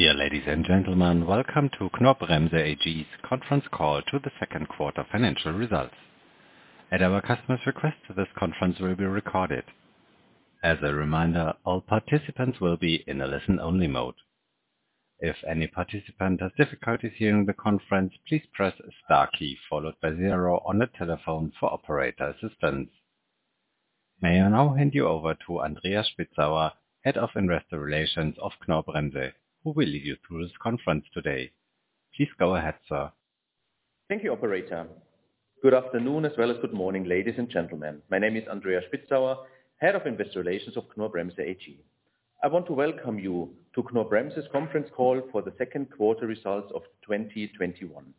Dear ladies and gentlemen, welcome to Knorr-Bremse AG's conference call to the second quarter financial results. At our customer's request, this conference will be recorded. As a reminder, all participants will be in a listen-only mode. If any participant has difficulties hearing the conference, please press star key followed by zero on the telephone for operator assistance. May I now hand you over to Andreas Spitzauer, Head of Investor Relations of Knorr-Bremse, who will lead you through this conference today. Please go ahead, sir. Thank you, operator. Good afternoon as well as good morning, ladies and gentlemen. My name is Andreas Spitzauer, Head of Investor Relations of Knorr-Bremse AG. I want to welcome you to Knorr-Bremse's conference call for the second quarter results of 2021.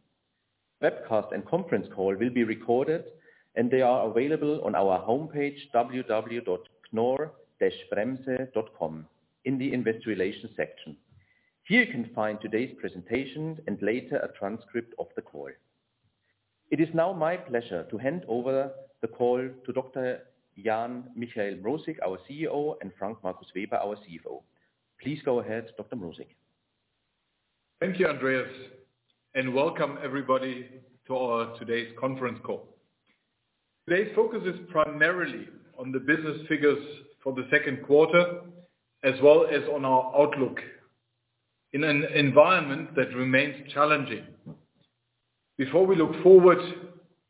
Webcast and conference call will be recorded, and they are available on our homepage www.knorr-bremse.com in the investor relations section. Here you can find today's presentation and later a transcript of the call. It is now my pleasure to hand over the call to Dr. Jan-Michael Mrosik, our CEO, and Frank Markus Weber, our CFO. Please go ahead, Dr. Mrosik. Thank you, Andreas. Welcome everybody to our today's conference call. Today's focus is primarily on the business figures for the second quarter as well as on our outlook in an environment that remains challenging before we look forward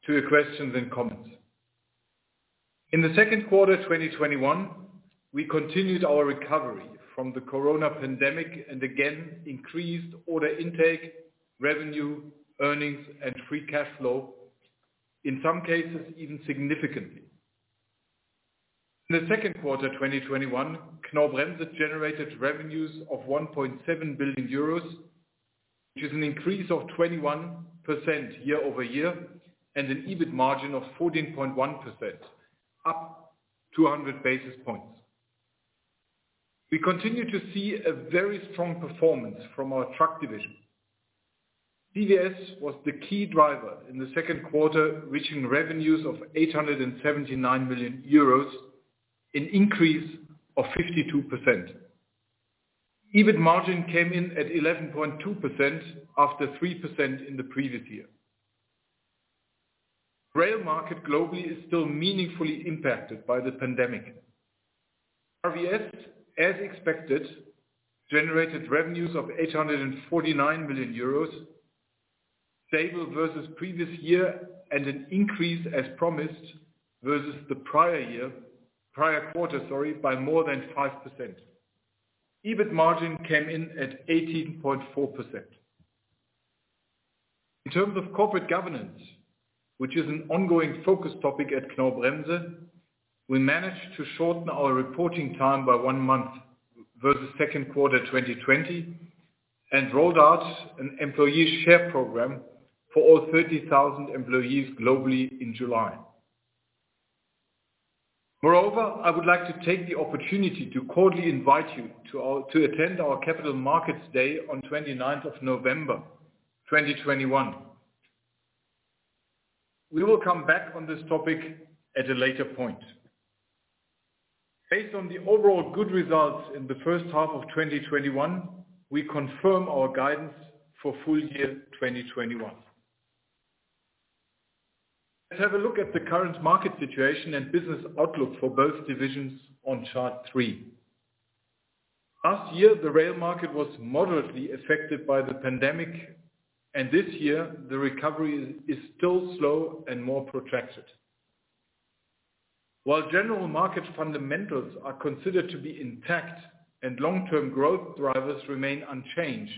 to your questions and comments. In the second quarter 2021, we continued our recovery from the corona pandemic and again increased order intake, revenue, earnings, and free cash flow, in some cases even significantly. In the second quarter 2021, Knorr-Bremse generated revenues of 1.7 billion euros, which is an increase of 21% year-over-year and an EBIT margin of 14.1%, up 200 basis points. We continue to see a very strong performance from our truck division. CVS was the key driver in the second quarter, reaching revenues of 879 million euros, an increase of 52%. EBIT margin came in at 11.2% after 3% in the previous year. Rail market globally is still meaningfully impacted by the pandemic. RVS, as expected, generated revenues of 849 million euros, stable versus previous year, and an increase as promised versus the prior quarter by more than 5%. EBIT margin came in at 18.4%. In terms of corporate governance, which is an ongoing focus topic at Knorr-Bremse, we managed to shorten our reporting time by one month versus second quarter 2020 and rolled out an employee share program for all 30,000 employees globally in July. Moreover, I would like to take the opportunity to cordially invite you to attend our Capital Markets Day on 29th of November 2021. We will come back on this topic at a later point. Based on the overall good results in the first half of 2021, we confirm our guidance for full year 2021. Let's have a look at the current market situation and business outlook for both divisions on chart three. Last year, the rail market was moderately affected by the pandemic, and this year the recovery is still slow and more protracted. While general market fundamentals are considered to be intact and long-term growth drivers remain unchanged,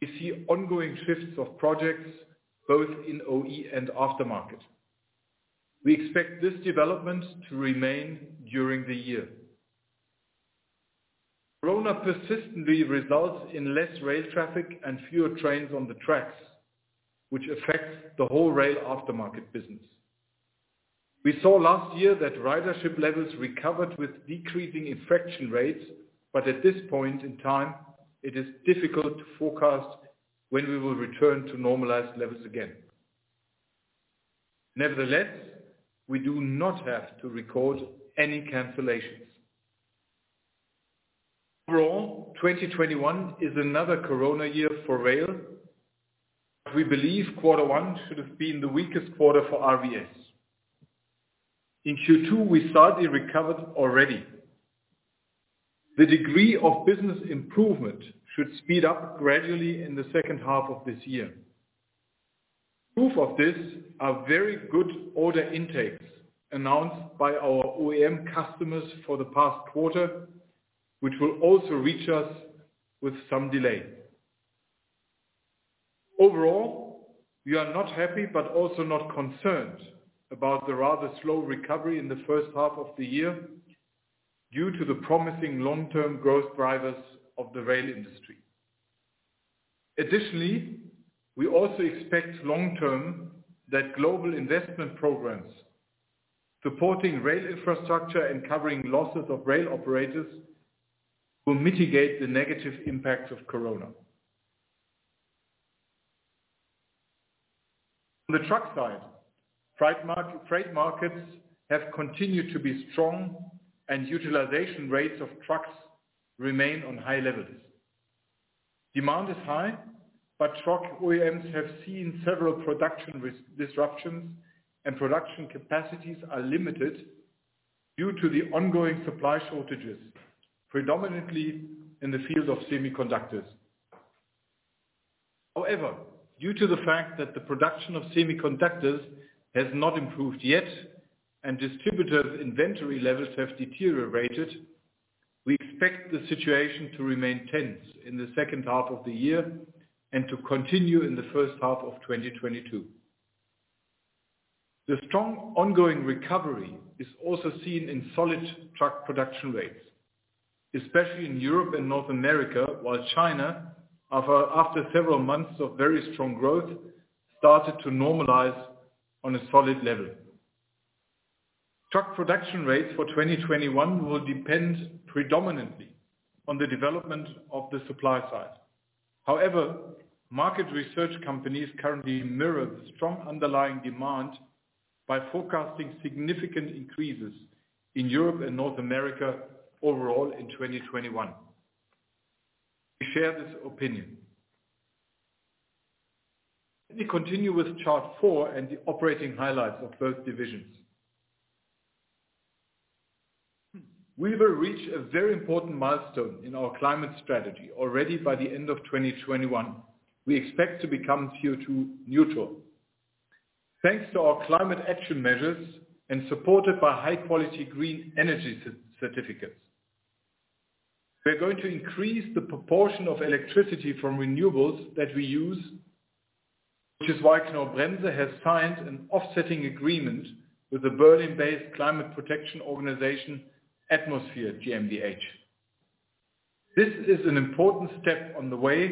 we see ongoing shifts of projects both in OE and aftermarket. We expect this development to remain during the year. corona persistently results in less rail traffic and fewer trains on the tracks, which affects the whole rail aftermarket business. We saw last year that ridership levels recovered with decreasing infection rates, but at this point in time, it is difficult to forecast when we will return to normalized levels again. Nevertheless, we do not have to record any cancellations. Overall, 2021 is another corona year for rail. We believe quarter one should have been the weakest quarter for RVS. In Q2, we started recovery already. The degree of business improvement should speed up gradually in the second half of this year. Proof of this are very good order intakes announced by our OEM customers for the past quarter, which will also reach us with some delay. Overall, we are not happy but also not concerned about the rather slow recovery in the first half of the year due to the promising long-term growth drivers of the rail industry. Additionally, we also expect long term that global investment programs supporting rail infrastructure and covering losses of rail operators will mitigate the negative impacts of corona. On the truck side, freight markets have continued to be strong and utilization rates of trucks remain on high levels. Demand is high, but truck OEMs have seen several production disruptions and production capacities are limited due to the ongoing supply shortages, predominantly in the field of semiconductors. However, due to the fact that the production of semiconductors has not improved yet and distributors' inventory levels have deteriorated, we expect the situation to remain tense in the second half of the year and to continue in the first half of 2022. The strong ongoing recovery is also seen in solid truck production rates, especially in Europe and North America, while China, after several months of very strong growth, started to normalize on a solid level. Truck production rates for 2021 will depend predominantly on the development of the supply side. However, market research companies currently mirror the strong underlying demand by forecasting significant increases in Europe and North America overall in 2021. We share this opinion. Let me continue with chart four and the operating highlights of both divisions. We will reach a very important milestone in our climate strategy already by the end of 2021. We expect to become CO2 neutral. Thanks to our climate action measures and supported by high-quality green energy certificates. We're going to increase the proportion of electricity from renewables that we use. Knorr-Bremse has signed an offsetting agreement with the Berlin-based climate protection organization, Atmosfair GmbH. This is an important step on the way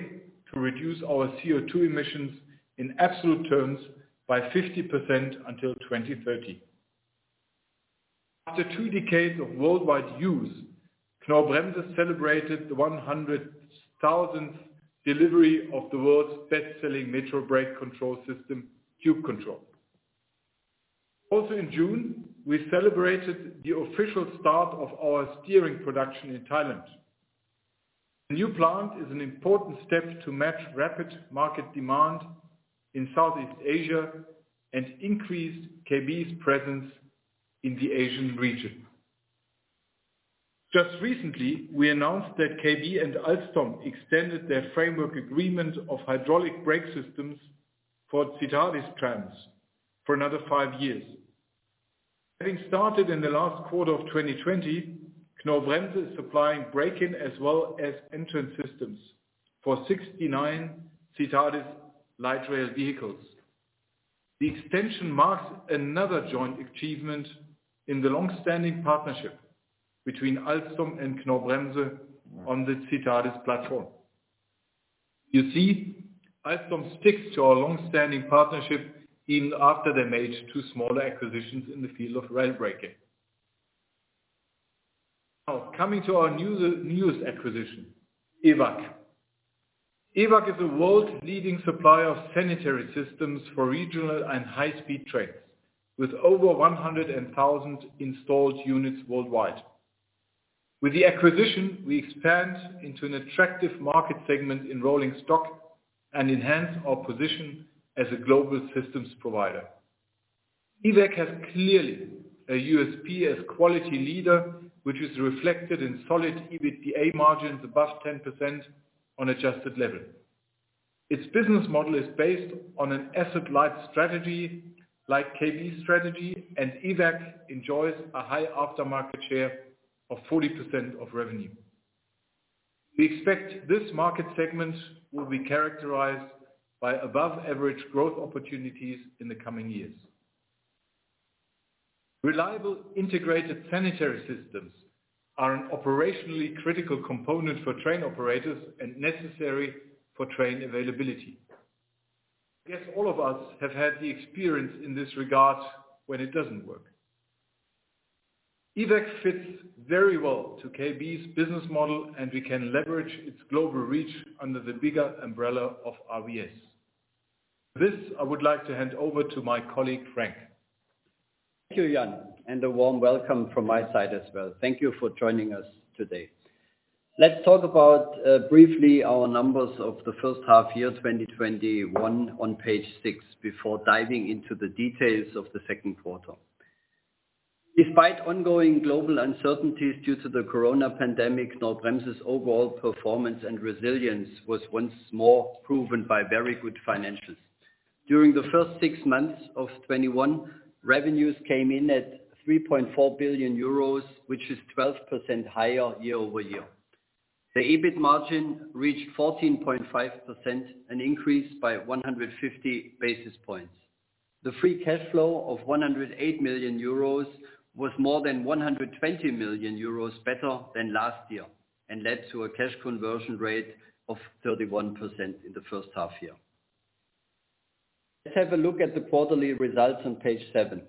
to reduce our CO2 emissions in absolute terms by 50% until 2030. After two decades of worldwide use, Knorr-Bremse celebrated the 100,000th delivery of the world's best-selling metro brake control system, CubeControl. In June, we celebrated the official start of our steering production in Thailand. The new plant is an important step to match rapid market demand in Southeast Asia and increase KBC's presence in the Asian region. Just recently, we announced that KB and Alstom extended their framework agreement of hydraulic brake systems for Citadis trams for another five years. Having started in the last quarter of 2020, Knorr-Bremse is supplying braking as well as entrance systems for 69 Citadis light rail vehicles. The extension marks another joint achievement in the long-standing partnership between Alstom and Knorr-Bremse on the Citadis platform. You see, Alstom sticks to our long-standing partnership even after they made two smaller acquisitions in the field of rail braking. Now, coming to our newest acquisition, Evac. Evac is a world-leading supplier of sanitary systems for regional and high-speed trains, with over 100,000 installed units worldwide. With the acquisition, we expand into an attractive market segment in rolling stock and enhance our position as a global systems provider. Evac has clearly a USP as quality leader, which is reflected in solid EBITDA margins above 10% on adjusted level. Its business model is based on an asset-light strategy, like KB strategy, and Evac enjoys a high aftermarket share of 40% of revenue. We expect this market segment will be characterized by above-average growth opportunities in the coming years. Reliable integrated sanitary systems are an operationally critical component for train operators and necessary for train availability. Yes, all of us have had the experience in this regard when it doesn't work. Evac fits very well to KB's business model, and we can leverage its global reach under the bigger umbrella of RVS. For this, I would like to hand over to my colleague, Frank. Thank you, Jan, and a warm welcome from my side as well. Thank you for joining us today. Let's talk about, briefly, our numbers of the first half year 2021 on page six before diving into the details of the second quarter. Despite ongoing global uncertainties due to the corona pandemic, Knorr-Bremse's overall performance and resilience was once more proven by very good financials. During the first six months of 2021, revenues came in at 3.4 billion euros, which is 12% higher year-over-year. The EBIT margin reached 14.5%, an increase by 150 basis points. The free cash flow of 108 million euros was more than 120 million euros better than last year and led to a cash conversion rate of 31% in the first half year. Let's have a look at the quarterly results on page seven.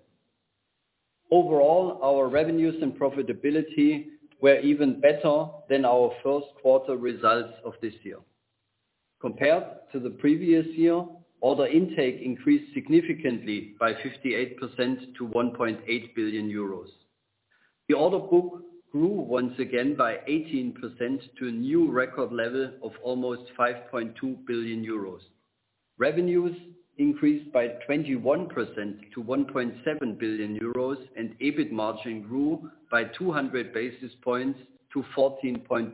Overall, our revenues and profitability were even better than our first quarter results of this year. Compared to the previous year, order intake increased significantly by 58% to 1.8 billion euros. The order book grew once again by 18% to a new record level of almost 5.2 billion euros. Revenues increased by 21% to 1.7 billion euros. EBIT margin grew by 200 basis points to 14.1%.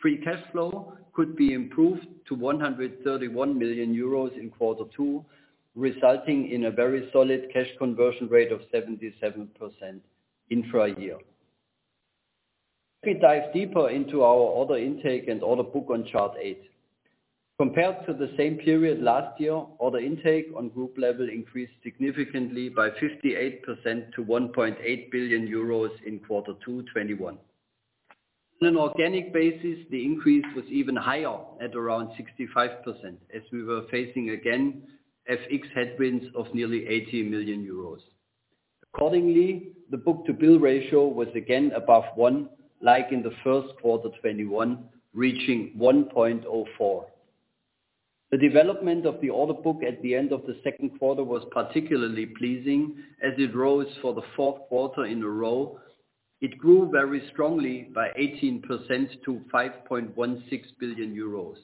Free cash flow could be improved to 131 million euros in quarter two, resulting in a very solid cash conversion rate of 77% intra year. Let me dive deeper into our order intake and order book on chart eight. Compared to the same period last year, order intake on group level increased significantly by 58% to 1.8 billion euros in quarter two 2021. On an organic basis, the increase was even higher at around 65%, as we were facing again FX headwinds of nearly 80 million euros. Accordingly, the book-to-bill ratio was again above one, like in the first quarter 2021, reaching 1.04. The development of the order book at the end of the second quarter was particularly pleasing, as it rose for the fourth quarter in a row. It grew very strongly by 18% to 5.16 billion euros.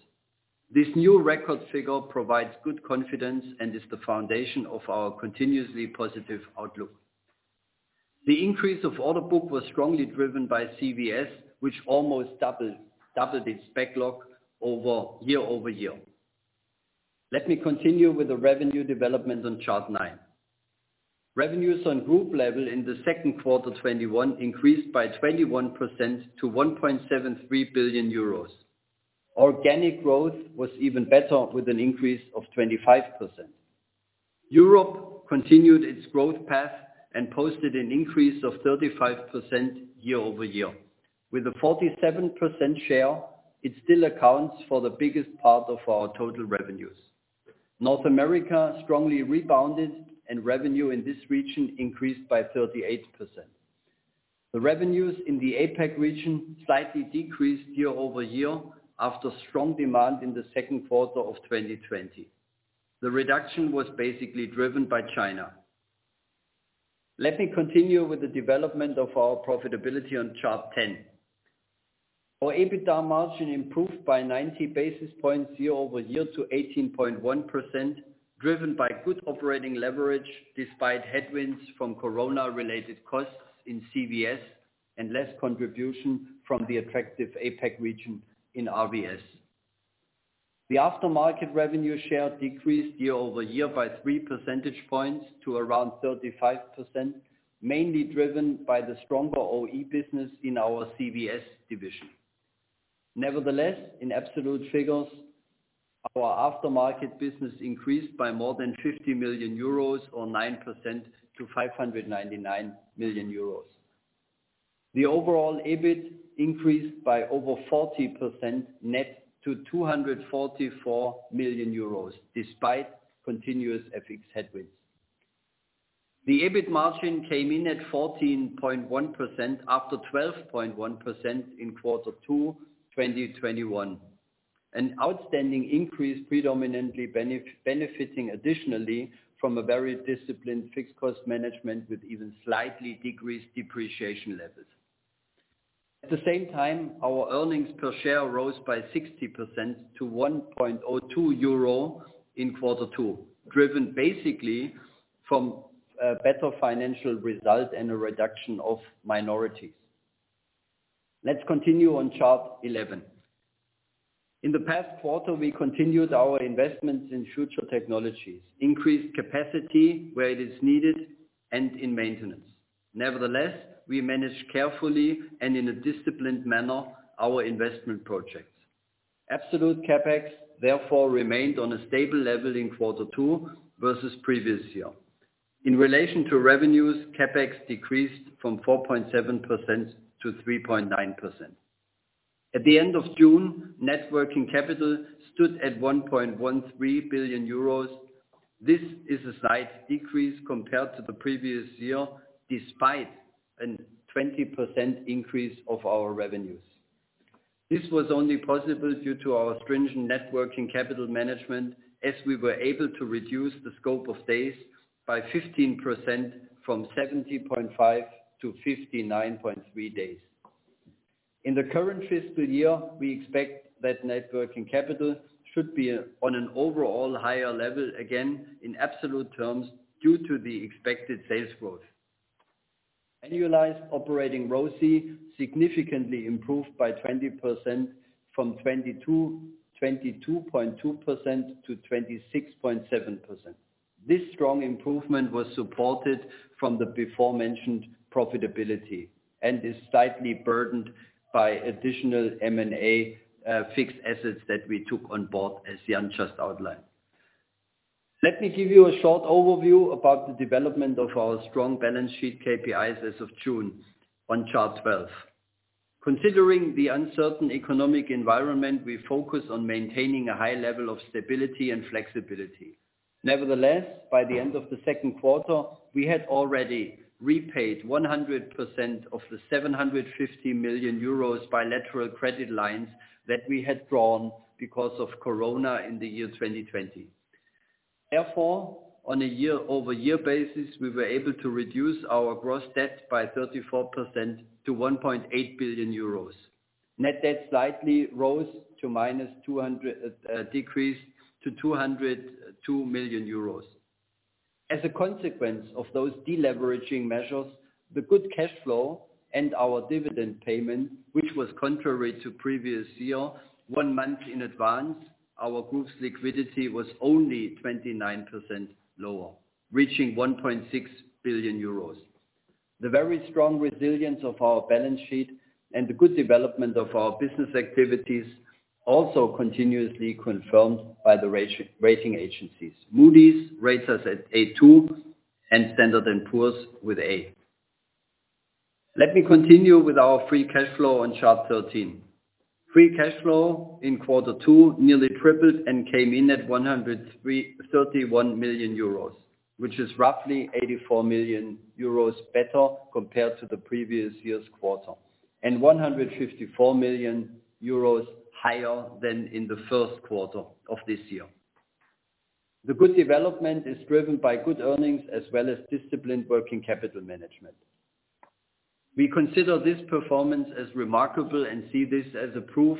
This new record figure provides good confidence and is the foundation of our continuously positive outlook. The increase of order book was strongly driven by CVS, which almost doubled its backlog year-over-year. Let me continue with the revenue development on chart nine. Revenues on group level in the second quarter 2021 increased by 21% to 1.73 billion euros. Organic growth was even better, with an increase of 25%. Europe continued its growth path and posted an increase of 35% year-over-year. With a 47% share, it still accounts for the biggest part of our total revenues. North America strongly rebounded. Revenue in this region increased by 38%. The revenues in the APAC region slightly decreased year-over-year after strong demand in the second quarter of 2020. The reduction was basically driven by China. Let me continue with the development of our profitability on chart 10. Our EBITDA margin improved by 90 basis points year-over-year to 18.1%, driven by good operating leverage despite headwinds from corona-related costs in CVS and less contribution from the attractive APAC region in RVS. The aftermarket revenue share decreased year-over-year by three percentage points to around 35%, mainly driven by the stronger OE business in our CVS division. In absolute figures, our aftermarket business increased by more than 50 million euros or 9% to 599 million euros. The overall EBIT increased by over 40% net to 244 million euros, despite continuous FX headwinds. The EBIT margin came in at 14.1% after 12.1% in quarter two 2021. An outstanding increase predominantly benefiting additionally from a very disciplined fixed cost management with even slightly decreased depreciation levels. At the same time, our earnings per share rose by 60% to 1.02 euro in quarter two, driven basically from better financial results and a reduction of minorities. Let's continue on chart 11. In the past quarter, we continued our investments in future technologies, increased capacity where it is needed, and in maintenance. We managed carefully and in a disciplined manner our investment projects. Absolute CapEx therefore remained on a stable level in quarter two versus previous year. In relation to revenues, CapEx decreased from 4.7% to 3.9%. At the end of June, net working capital stood at 1.13 billion euros. This is a slight decrease compared to the previous year, despite a 20% increase of our revenues. This was only possible due to our stringent net working capital management as we were able to reduce the scope of days by 15%, from 70.5 to 59.3 days. In the current fiscal year, we expect that net working capital should be on an overall higher level again in absolute terms due to the expected sales growth. Annualized operating ROCE significantly improved by 20%, from 22.2% to 26.7%. This strong improvement was supported from the beforementioned profitability and is slightly burdened by additional M&A fixed assets that we took on board, as Jan just outlined. Let me give you a short overview about the development of our strong balance sheet KPIs as of June on chart 12. Considering the uncertain economic environment, we focus on maintaining a high level of stability and flexibility. By the end of the second quarter, we had already repaid 100% of the 750 million euros bilateral credit lines that we had drawn because of COVID in the year 2020. On a year-over-year basis, we were able to reduce our gross debt by 34% to 1.8 billion euros. Net debt slightly decreased to 202 million euros. As a consequence of those de-leveraging measures, the good cash flow and our dividend payment, which was contrary to previous year, one month in advance, our group's liquidity was only 29% lower, reaching 1.6 billion euros. The very strong resilience of our balance sheet and the good development of our business activities also continuously confirmed by the rating agencies. Moody's rates us at A2 and Standard & Poor's with A. Let me continue with our free cash flow on chart 13. Free cash flow in quarter two nearly tripled and came in at 131 million euros, which is roughly 84 million euros better compared to the previous year's quarter, and 154 million euros higher than in the first quarter of this year. The good development is driven by good earnings as well as disciplined working capital management. We consider this performance as remarkable and see this as a proof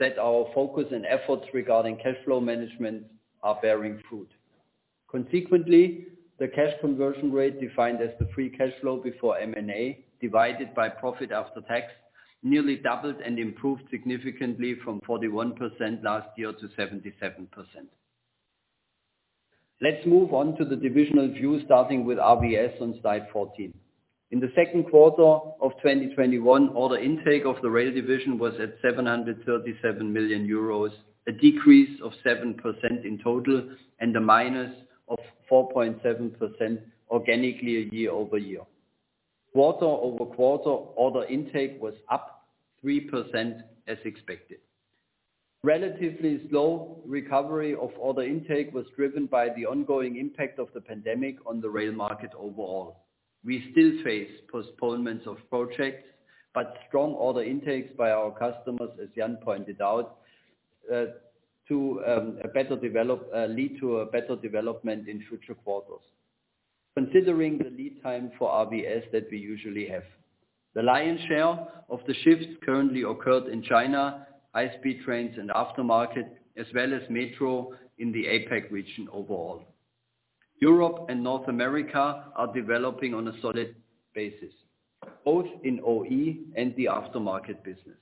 that our focus and efforts regarding cash flow management are bearing fruit. Consequently, the cash conversion rate defined as the free cash flow before M&A, divided by profit after tax, nearly doubled and improved significantly from 41% last year to 77%. Let's move on to the divisional view starting with RVS on slide 14. In the second quarter of 2021, order intake of the rail division was at 737 million euros, a decrease of 7% in total and a minus of 4.7% organically year-over-year. Quarter-over-quarter order intake was up 3% as expected. Relatively slow recovery of order intake was driven by the ongoing impact of the pandemic on the rail market overall. We still face postponements of projects, strong order intakes by our customers, as Jan pointed out, lead to a better development in future quarters, considering the lead time for RVS that we usually have. The lion's share of the shift currently occurred in China, high-speed trains and aftermarket, as well as metro in the APAC region overall. Europe and North America are developing on a solid basis, both in OE and the aftermarket business.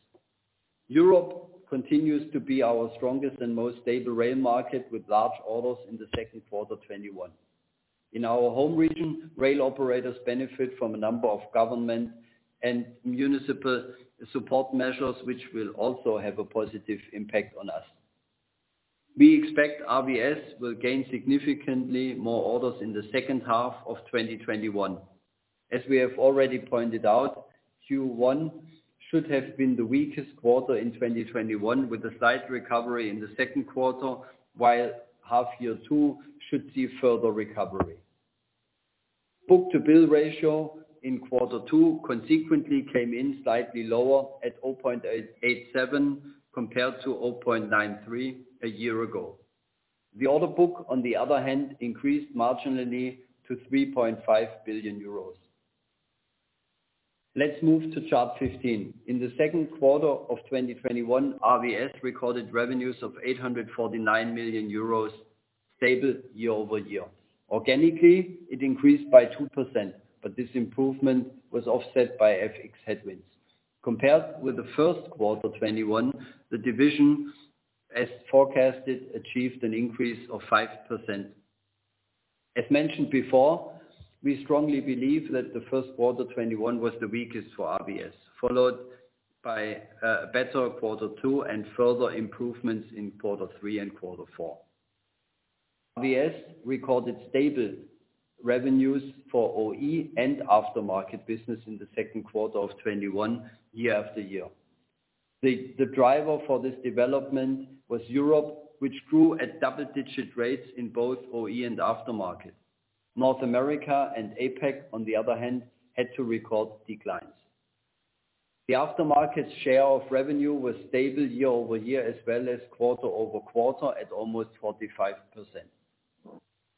Europe continues to be our strongest and most stable rail market with large orders in the second quarter 2021. In our home region, rail operators benefit from a number of government and municipal support measures which will also have a positive impact on us. We expect RVS will gain significantly more orders in the second half of 2021. As we have already pointed out, Q1 should have been the weakest quarter in 2021 with a slight recovery in the second quarter, while half year two should see further recovery. Book-to-bill ratio in quarter two consequently came in slightly lower at 0.87 compared to 0.93 a year ago. The order book, on the other hand, increased marginally to 3.5 billion euros. Let's move to chart 15. In the second quarter of 2021, RVS recorded revenues of 849 million euros, stable year-over-year. Organically, it increased by 2%, but this improvement was offset by FX headwinds. Compared with the first quarter 2021, the division, as forecasted, achieved an increase of 5%. As mentioned before, we strongly believe that the first quarter 2021 was the weakest for RVS, followed by a better quarter two and further improvements in quarter three and quarter four. RVS recorded stable revenues for OE and aftermarket business in the second quarter of 2021 year after year. The driver for this development was Europe, which grew at double-digit rates in both OE and aftermarket. North America and APAC, on the other hand, had to record declines. The aftermarket share of revenue was stable year-over-year as well as quarter-over-quarter at almost 45%.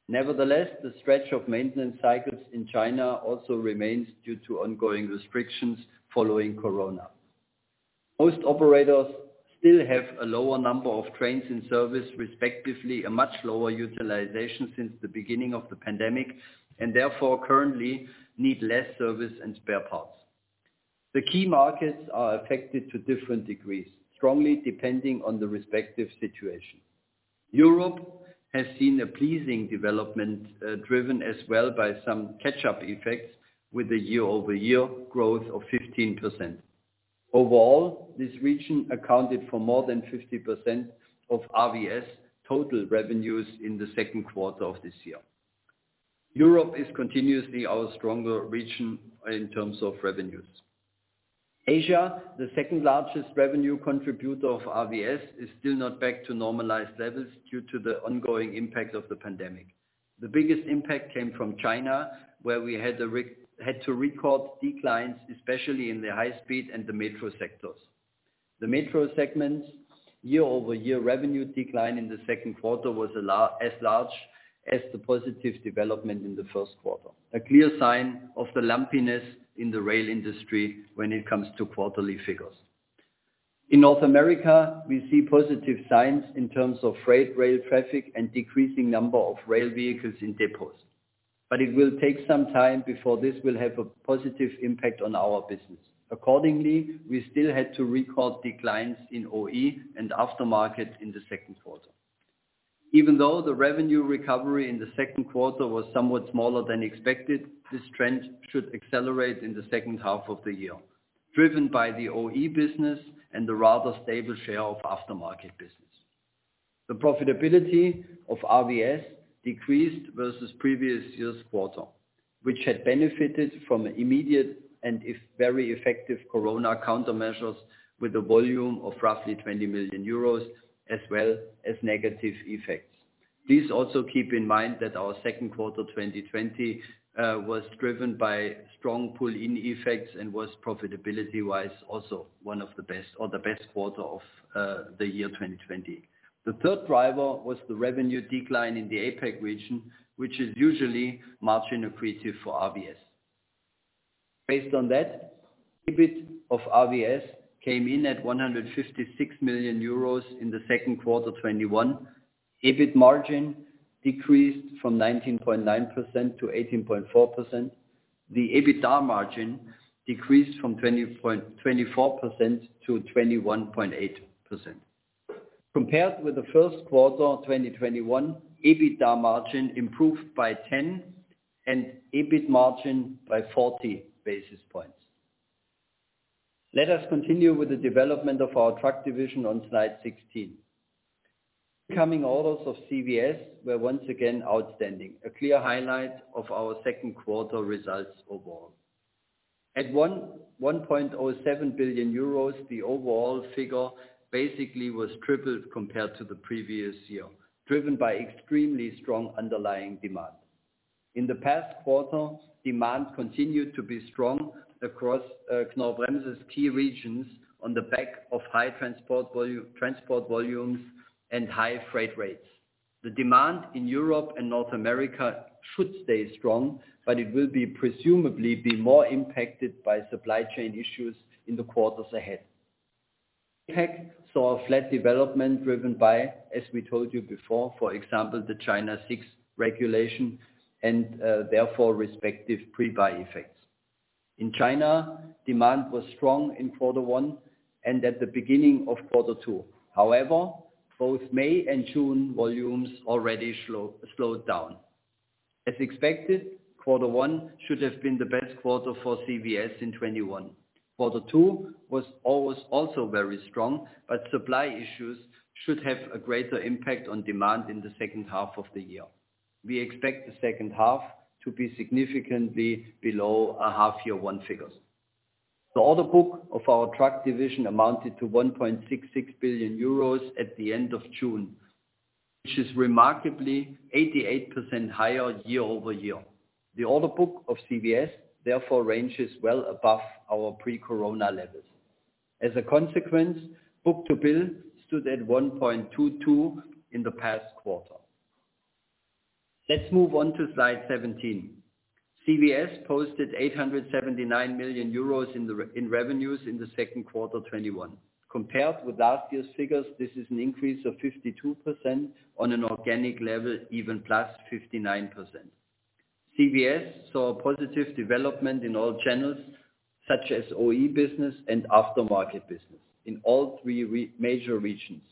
Nevertheless, the stretch of maintenance cycles in China also remains due to ongoing restrictions following corona. Most operators still have a lower number of trains in service, respectively, a much lower utilization since the beginning of the pandemic, and therefore currently need less service and spare parts. The key markets are affected to different degrees, strongly depending on the respective situation. Europe has seen a pleasing development driven as well by some catch-up effects with a year-over-year growth of 15%. Overall, this region accounted for more than 50% of RVS total revenues in the second quarter of this year. Europe is continuously our stronger region in terms of revenues. Asia, the second-largest revenue contributor of RVS, is still not back to normalized levels due to the ongoing impact of the pandemic. The biggest impact came from China, where we had to record declines, especially in the high speed and the metro sectors. The metro segment's year-over-year revenue decline in the second quarter was as large as the positive development in the first quarter. A clear sign of the lumpiness in the rail industry when it comes to quarterly figures. In North America, we see positive signs in terms of freight rail traffic and decreasing number of rail vehicles in depots. It will take some time before this will have a positive impact on our business. Accordingly, we still had to record declines in OE and aftermarket in the second quarter. Even though the revenue recovery in the second quarter was somewhat smaller than expected, this trend should accelerate in the second half of the year, driven by the OE business and the rather stable share of aftermarket business. The profitability of RVS decreased versus previous year's quarter, which had benefited from immediate and very effective corona countermeasures with a volume of roughly 20 million euros, as well as negative effects. Please also keep in mind that our second quarter 2020 was driven by strong pull-in effects and was profitability-wise also one of the best or the best quarter of the year 2020. The third driver was the revenue decline in the APAC region, which is usually margin accretive for RVS. Based on that, EBIT of RVS came in at 156 million euros in the second quarter 2021. EBIT margin decreased from 19.9% to 18.4%. The EBITDA margin decreased from 24% to 21.8%. Compared with the first quarter of 2021, EBITDA margin improved by 10 and EBIT margin by 40 basis points. Let us continue with the development of our truck division on slide 16. Incoming orders of CVS were once again outstanding, a clear highlight of our second quarter results overall. At 1.07 billion euros, the overall figure basically was tripled compared to the previous year, driven by extremely strong underlying demand. In the past quarter, demand continued to be strong across Knorr-Bremse's key regions on the back of high transport volumes and high freight rates. The demand in Europe and North America should stay strong, but it will presumably be more impacted by supply chain issues in the quarters ahead. APAC saw a flat development driven by, as we told you before, for example, the China VI regulation and therefore respective pre-buy effects. In China, demand was strong in quarter one and at the beginning of quarter two. However, both May and June volumes already slowed down. As expected, quarter one should have been the best quarter for CVS in 2021. Quarter two was also very strong, supply issues should have a greater impact on demand in the second half of the year. We expect the second half to be significantly below our half year one figures. The order book of our truck division amounted to 1.66 billion euros at the end of June, which is remarkably 88% higher year-over-year. The order book of CVS, therefore ranges well above our pre-corona levels. As a consequence, book-to-bill stood at 1.22 in the past quarter. Let's move on to slide 17. CVS posted 879 million euros in revenues in the second quarter 2021. Compared with last year's figures, this is an increase of 52% on an organic level, even +59%. CVS saw a positive development in all channels, such as OE business and aftermarket business in all three major regions: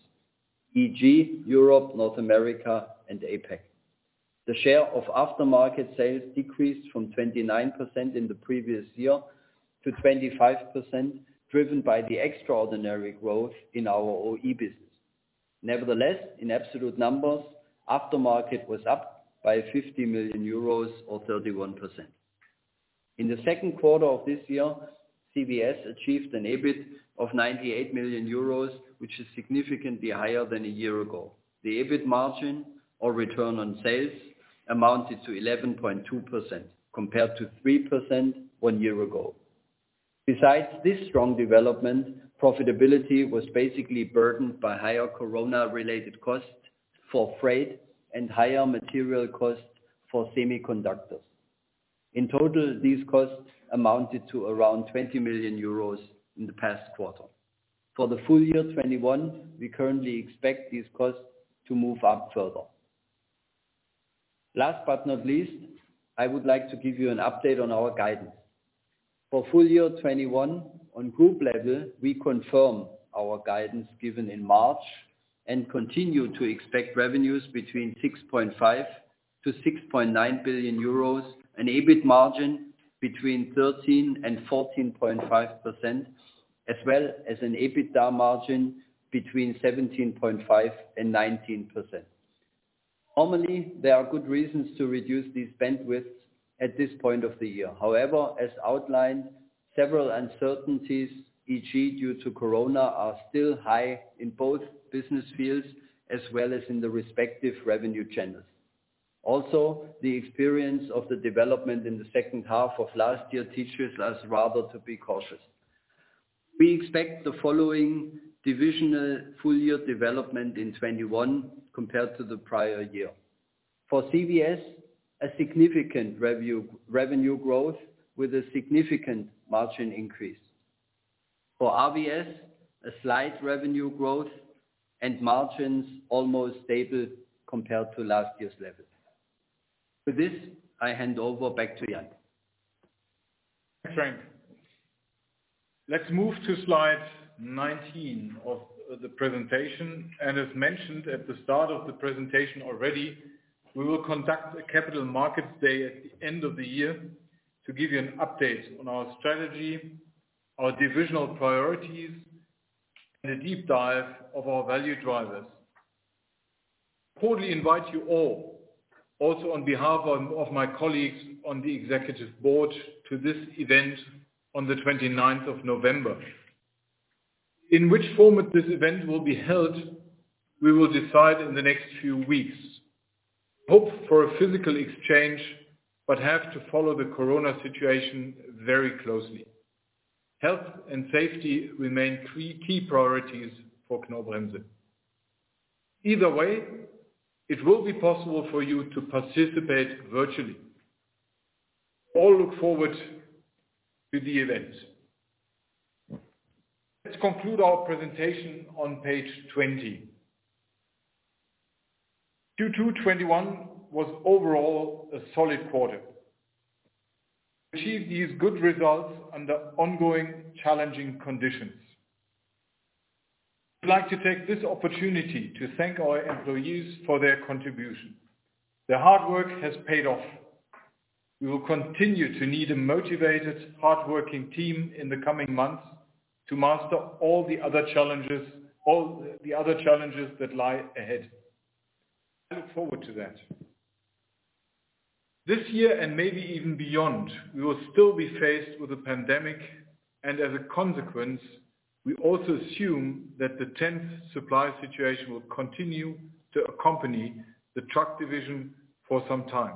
e.g., Europe, North America, and APAC. The share of aftermarket sales decreased from 29% in the previous year to 25%, driven by the extraordinary growth in our OE business. Nevertheless, in absolute numbers, aftermarket was up by 50 million euros or 31%. In the second quarter of this year, CVS achieved an EBIT of 98 million euros which is significantly higher than a year ago. The EBIT margin or return on sales amounted to 11.2% compared to 3% one year ago. Besides this strong development, profitability was basically burdened by higher corona-related costs for freight and higher material costs for semiconductors. In total, these costs amounted to around 20 million euros in the past quarter. For the full year 2021, we currently expect these costs to move up further. Last but not least, I would like to give you an update on our guidance. For full year 2021, on group level, we confirm our guidance given in March and continue to expect revenues between 6.5 billion-6.9 billion euros, an EBIT margin between 13% and 14.5%, as well as an EBITDA margin between 17.5% and 19%. Normally, there are good reasons to reduce these bandwidths at this point of the year. However, as outlined, several uncertainties, e.g., due to COVID are still high in both business fields as well as in the respective revenue channels. The experience of the development in the second half of last year teaches us rather to be cautious. We expect the following divisional full-year development in 2021 compared to the prior year. For CVS, a significant revenue growth with a significant margin increase. For RVS, a slight revenue growth and margins almost stable compared to last year's level. With this, I hand over back to Jan. Thanks, Frank. Let's move to slide 19 of the presentation. As mentioned at the start of the presentation already, we will conduct a capital market day at the end of the year to give you an update on our strategy, our divisional priorities, and a deep dive of our value drivers. Heartily invite you all, also on behalf of my colleagues on the executive board, to this event on the 29th of November. In which format this event will be held, we will decide in the next few weeks. Hope for a physical exchange, but have to follow the COVID situation very closely. Health and safety remain key priorities for Knorr-Bremse. Either way, it will be possible for you to participate virtually. All look forward to the event. Let's conclude our presentation on page 20. Q2 2021 was overall a solid quarter. Achieved these good results under ongoing challenging conditions. Would like to take this opportunity to thank our employees for their contribution. Their hard work has paid off. We will continue to need a motivated, hardworking team in the coming months to master all the other challenges that lie ahead. I look forward to that. This year and maybe even beyond, we will still be faced with a pandemic, and as a consequence, we also assume that the tense supply situation will continue to accompany the truck division for some time.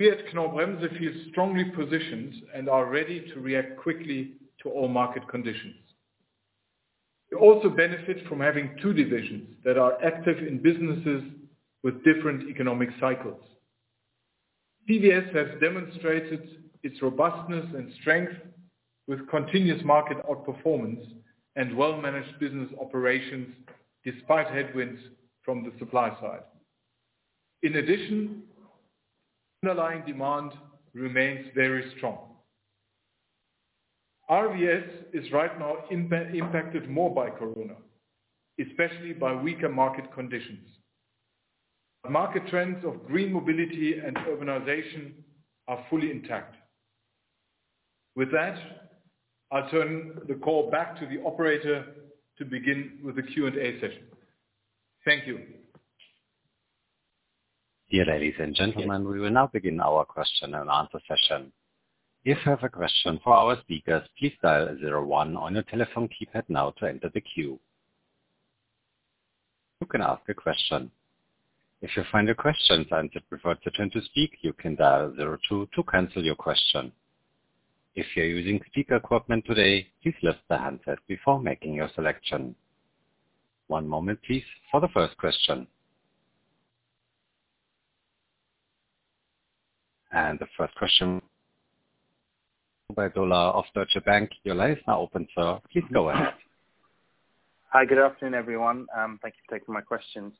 We at Knorr-Bremse feel strongly positioned and are ready to react quickly to all market conditions. We also benefit from having two divisions that are active in businesses with different economic cycles. CVS has demonstrated its robustness and strength with continuous market outperformance and well-managed business operations despite headwinds from the supply side. In addition, underlying demand remains very strong. RVS is right now impacted more by COVID, especially by weaker market conditions. The market trends of green mobility and urbanization are fully intact. With that, I'll turn the call back to the operator to begin with the Q&A session. Thank you. Dear ladies and gentlemen, we will now begin our question-and-answer session. If you have a question for our speakers, please dial zero one on your telephone keypad now to enter the queue. You can ask a question. If you find question's answer before to speak, you can dial zero two to cancel your question. If you're using speaker equipment today, pick up the handset before making your selection. One moment please for the first question. The first question, Obaidullah of Deutsche Bank, your line is now open, sir. Please go ahead. Hi, good afternoon, everyone. Thank you for taking my questions.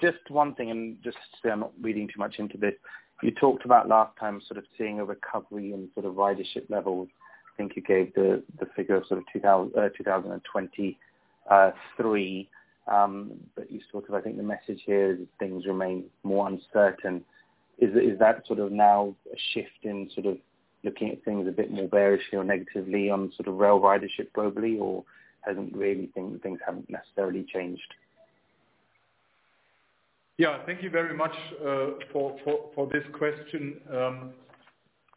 Just one thing, just to say I'm not reading too much into this. You talked about last time, sort of seeing a recovery in sort of ridership levels. I think you gave the figure of 2023. You spoke of, I think the message here is things remain more uncertain. Is that now a shift in looking at things a bit more bearishly or negatively on rail ridership globally or hasn't really, things haven't necessarily changed? Thank you very much for this question,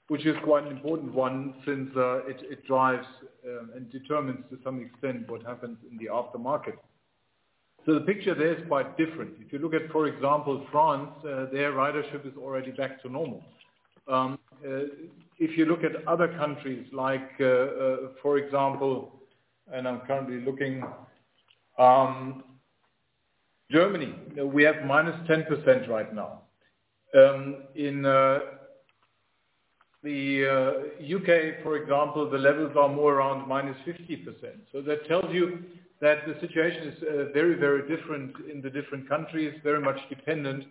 which is quite an important one since it drives and determines to some extent what happens in the aftermarket. The picture there is quite different. If you look at, for example, France, their ridership is already back to normal. If you look at other countries like, for example, and I'm currently looking, Germany. We have -10% right now. In the U.K., for example, the levels are more around -50%. That tells you that the situation is very, very different in the different countries, very much dependent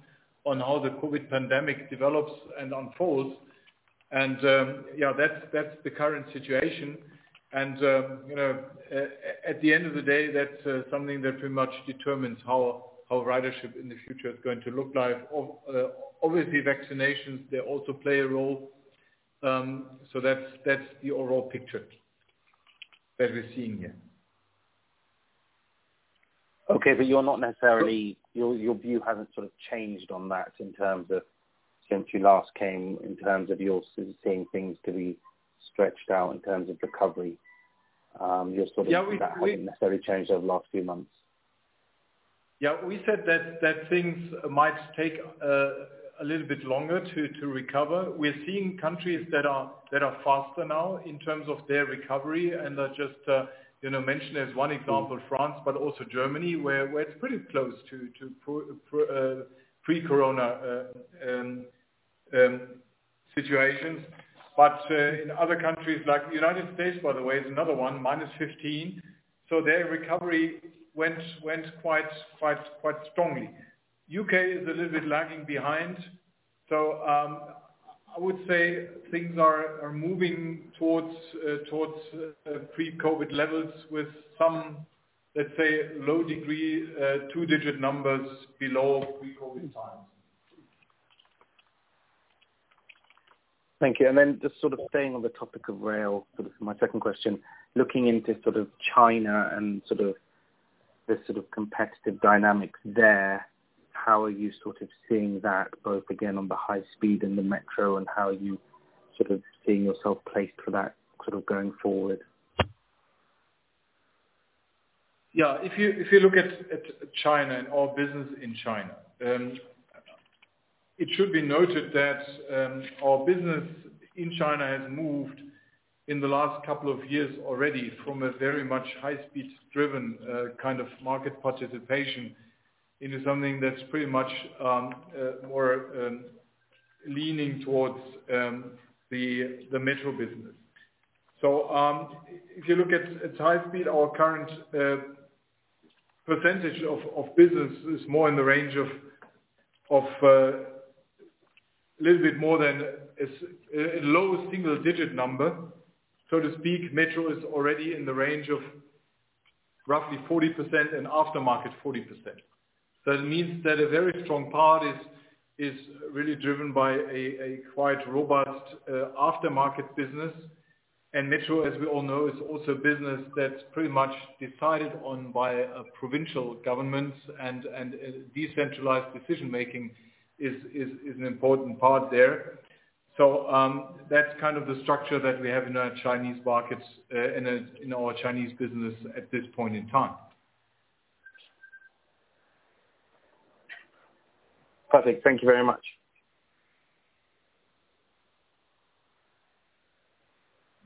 on how the COVID pandemic develops and unfolds. That's the current situation. At the end of the day, that's something that pretty much determines how ridership in the future is going to look like. Obviously, vaccinations, they also play a role. That's the overall picture that we're seeing here. Okay. Your view hasn't sort of changed on that since you last came in terms of you still seeing things to be stretched out in terms of recovery. Yeah. You're sort of saying that hasn't necessarily changed over the last few months. We said that things might take a little bit longer to recover. We're seeing countries that are faster now in terms of their recovery, and I just mentioned as one example, France, but also Germany, where it's pretty close to pre-corona situations. In other countries like United States by the way, is another one, -15%. Their recovery went quite strongly. U.K. is a little bit lagging behind. I would say things are moving towards pre-COVID levels with some, let's say, low degree, two-digit numbers below pre-COVID times. Thank you. Just sort of staying on the topic of rail, sort of my second question, looking into China and the competitive dynamics there, how are you seeing that, both again on the high speed and the metro, and how are you seeing yourself placed for that going forward? Yeah. If you look at China and our business in China, it should be noted that our business in China has moved in the last couple of years already from a very much high-speed-driven kind of market participation into something that's pretty much more leaning towards the metro business. If you look at high speed, our current percentage of business is more in the range of a little bit more than a low single-digit number, so to speak. Metro is already in the range of roughly 40% and aftermarket 40%. It means that a very strong part is really driven by a quite robust aftermarket business. Metro, as we all know, is also a business that's pretty much decided on by provincial governments and decentralized decision-making is an important part there. That's kind of the structure that we have in our Chinese markets, in our Chinese business at this point in time. Perfect. Thank you very much.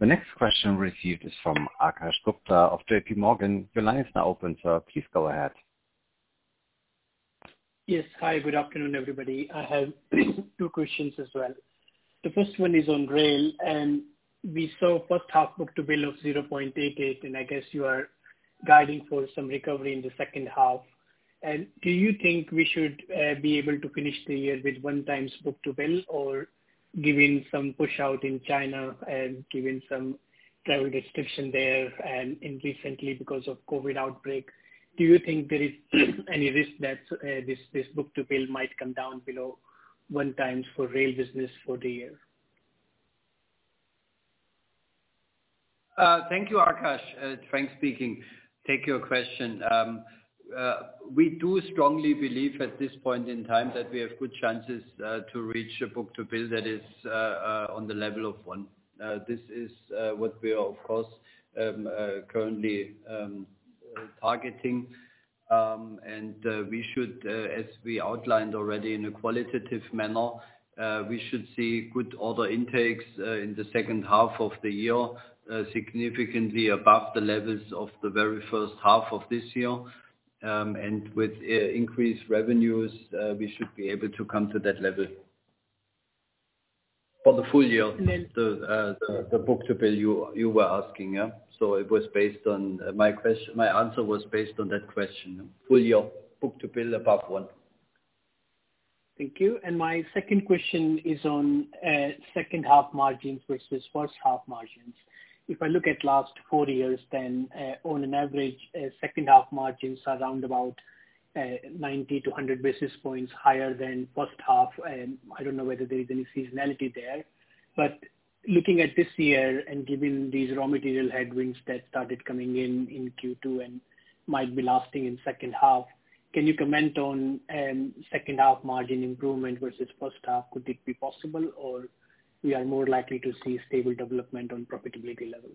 The next question received is from Akash Gupta of JPMorgan. Your line is now open, sir. Please go ahead. Yes. Hi, good afternoon, everybody. I have two questions as well. The first one is on rail. We saw first half book-to-bill of 0.88. I guess you are guiding for some recovery in the second half. Do you think we should be able to finish the year with 1x book-to-bill or giving some push out in China and giving some travel restriction there and in recently because of COVID outbreak, do you think there is any risk that this book-to-bill might come down below 1x for rail business for the year? Thank you, Akash. Frank speaking. Take your question. We do strongly believe at this point in time that we have good chances to reach a book-to-bill that is on the level of one. This is what we are of course, currently targeting. We should, as we outlined already in a qualitative manner, we should see good order intakes in the second half of the year, significantly above the levels of the very first half of this year. With increased revenues, we should be able to come to that level for the full year. The book-to-bill you were asking. My answer was based on that question. Full year book-to-bill above one. Thank you. My second question is on second half margins versus first half margins. If I look at last four years, then on an average, second half margins are around about 90-100 basis points higher than first half. I don't know whether there is any seasonality there. Looking at this year and given these raw material headwinds that started coming in in Q2 and might be lasting in second half, can you comment on second half margin improvement versus first half? Could it be possible, or we are more likely to see stable development on profitability level?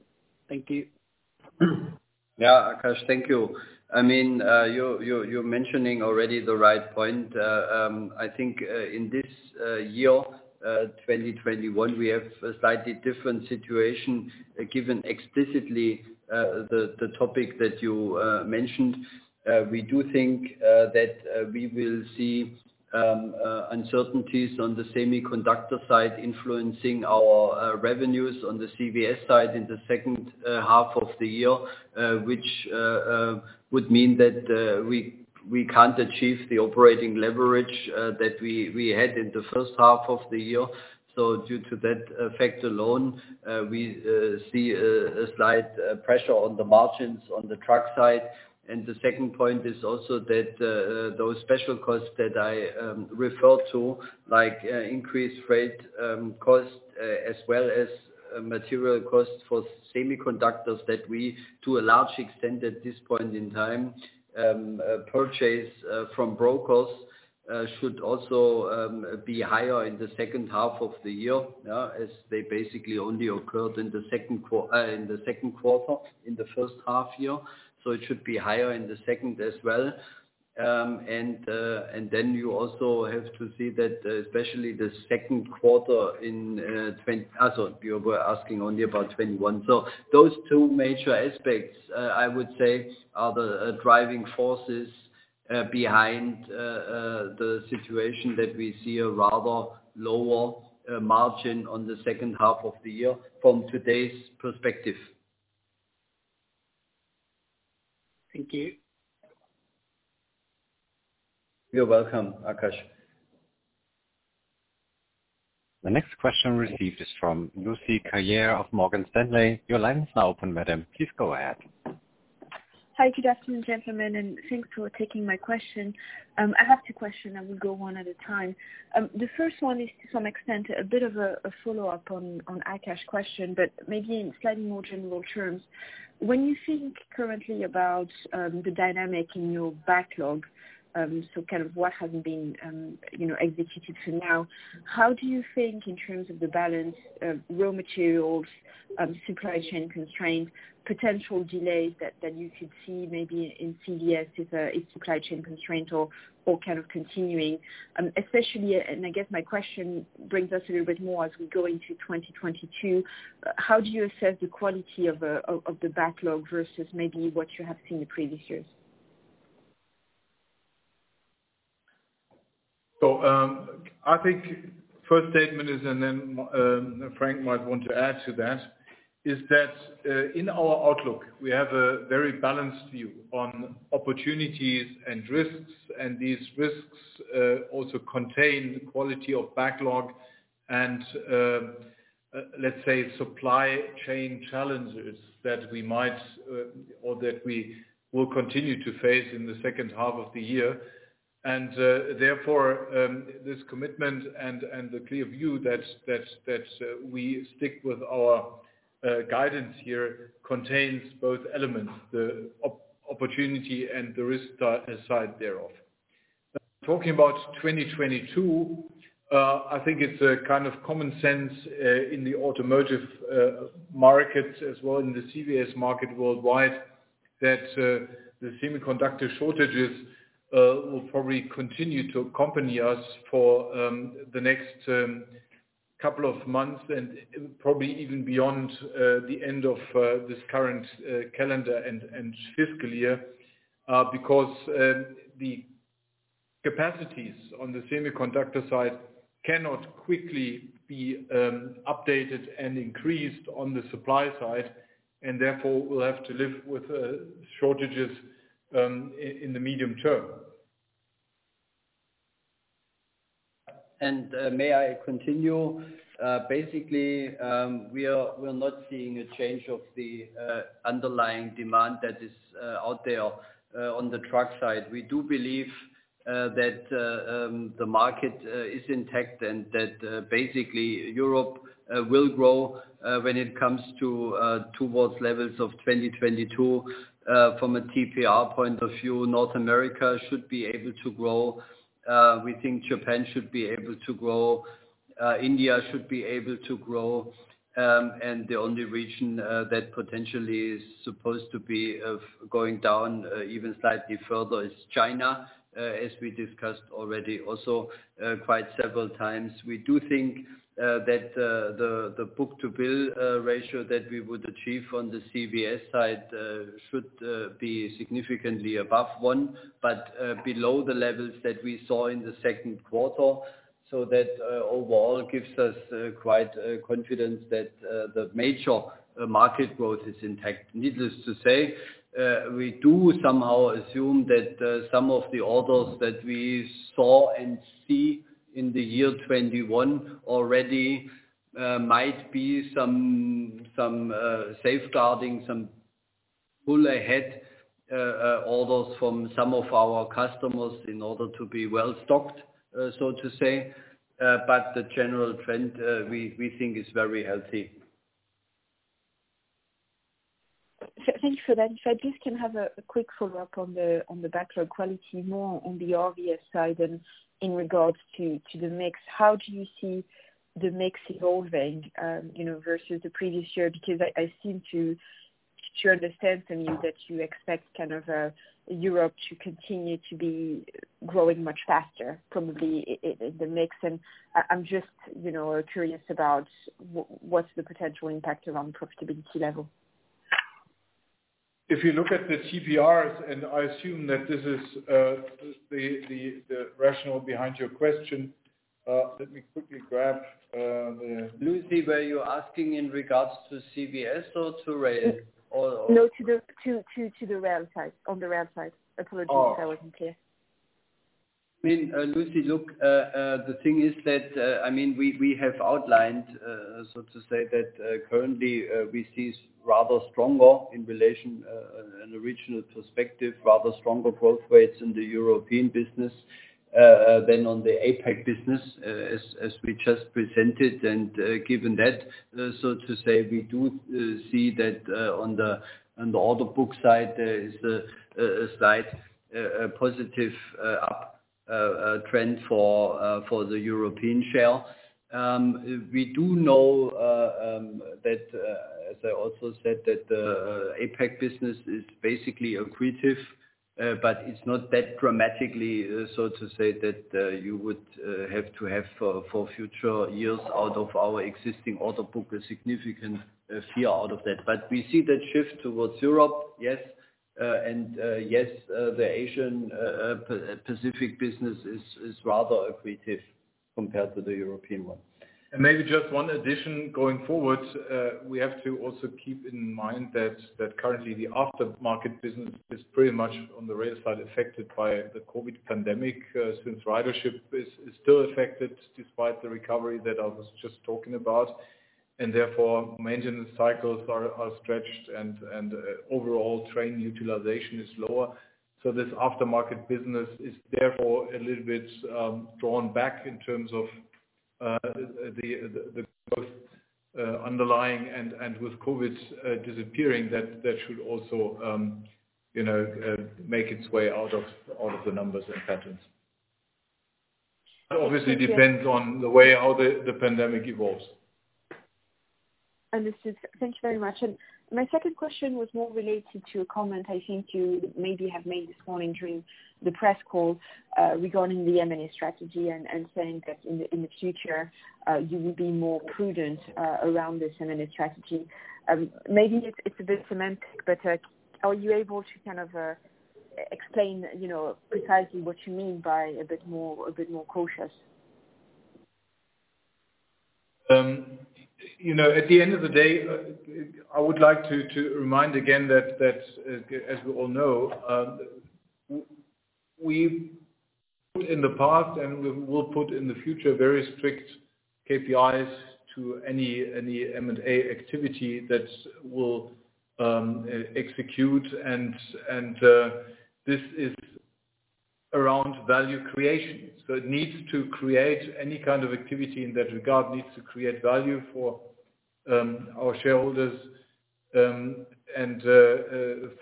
Thank you. Yeah. Akash, thank you. You're mentioning already the right point. I think in this year, 2021, we have a slightly different situation given explicitly the topic that you mentioned. We do think that we will see uncertainties on the semiconductor side influencing our revenues on the CVS side in the second half of the year, which would mean that we can't achieve the operating leverage that we had in the first half of the year. Due to that factor alone, we see a slight pressure on the margins on the truck side. The second point is also that those special costs that I referred to, like increased freight cost as well as Material costs for semiconductors that we, to a large extent at this point in time, purchase from brokers should also be higher in the second half of the year, as they basically only occurred in the second quarter, in the first half year. It should be higher in the second as well. You also have to see that, especially the second quarter in You were asking only about 2021. Those two major aspects, I would say, are the driving forces behind the situation that we see a rather lower margin on the second half of the year from today's perspective. Thank you. You're welcome, Akash. The next question received is from Lucie Carrier of Morgan Stanley. Your line is now open, madam. Please go ahead. Hi. Good afternoon, gentlemen, and thanks for taking my question. I have two question. I will go one at a time. The first one is to some extent, a bit of a follow-up on Akash's question, but maybe in slightly more general terms. When you think currently about the dynamic in your backlog, so what has been executed till now. How do you think in terms of the balance of raw materials, supply chain constraints, potential delays that you could see maybe in CVS is a supply chain constraint or continuing? Especially, and I guess my question brings us a little bit more as we go into 2022, how do you assess the quality of the backlog versus maybe what you have seen in previous years? I think first statement is, and then Frank might want to add to that, is that in our outlook, we have a very balanced view on opportunities and risks, and these risks also contain the quality of backlog and, let's say, supply chain challenges that we might or that we will continue to face in the second half of the year. Therefore, this commitment and the clear view that we stick with our guidance here contains both elements, the opportunity and the risk side thereof. Talking about 2022, I think it's a kind of common sense in the automotive markets as well in the CVS market worldwide, that the semiconductor shortages will probably continue to accompany us for the next couple of months and probably even beyond the end of this current calendar and fiscal year. The capacities on the semiconductor side cannot quickly be updated and increased on the supply side, and therefore we'll have to live with shortages in the medium term. May I continue? Basically, we're not seeing a change of the underlying demand that is out there on the truck side. We do believe that the market is intact and that basically Europe will grow when it comes towards levels of 2022. From a TPR point of view, North America should be able to grow. We think Japan should be able to grow. India should be able to grow. The only region that potentially is supposed to be going down even slightly further is China, as we discussed already also quite several times. We do think that the book-to-bill ratio that we would achieve on the CVS side should be significantly above one, but below the levels that we saw in the second quarter. That overall gives us quite a confidence that the major market growth is intact. Needless to say, we do somehow assume that some of the orders that we saw and see in the year 2021 already might be some safeguarding, some pull-ahead orders from some of our customers in order to be well-stocked, so to say. The general trend we think is very healthy. Thank you for that. If I just can have a quick follow-up on the backlog quality more on the RVS side and in regards to the mix. How do you see the mix evolving versus the previous year? I seem to share the sense, I mean, that you expect Europe to continue to be growing much faster from the mix. I'm just curious about what's the potential impact around profitability level. If you look at the TPRs, and I assume that this is the rationale behind your question. Lucie, were you asking in regards to CVS or to rail? To the rail side. On the rail side. Apologies if I wasn't clear. I mean, Lucie, look, the thing is that we have outlined, so to say that currently we see rather stronger in relation, an original perspective, rather stronger growth rates in the European business than on the APAC business, as we just presented. Given that, so to say, we do see that on the order book side, there is a slight positive up trend for the European share. We do know that, as I also said, that the APAC business is basically accretive, it's not that dramatically, so to say, that you would have to have for future years out of our existing order book, a significant share out of that. We see that shift towards Europe, yes. Yes, the Asian Pacific business is rather accretive compared to the European one. Maybe just one addition going forward. We have to also keep in mind that currently the after-market business is pretty much on the rail side affected by the COVID pandemic, since ridership is still affected despite the recovery that I was just talking about. Therefore maintenance cycles are stretched and overall train utilization is lower. This after-market business is therefore a little bit drawn back in terms of the underlying and with COVID disappearing that should also make its way out of the numbers and patterns. Obviously depends on the way how the pandemic evolves. Thank you very much. My second question was more related to a comment I think you maybe have made this morning during the press call, regarding the M&A strategy and saying that in the future, you will be more prudent around this M&A strategy. Maybe it's a bit semantic, but are you able to kind of explain precisely what you mean by a bit more cautious? At the end of the day, I would like to remind again that as we all know, we put in the past and we will put in the future very strict KPIs to any M&A activity that will execute and this is around value creation. It needs to create any kind of activity in that regard, needs to create value for our shareholders, and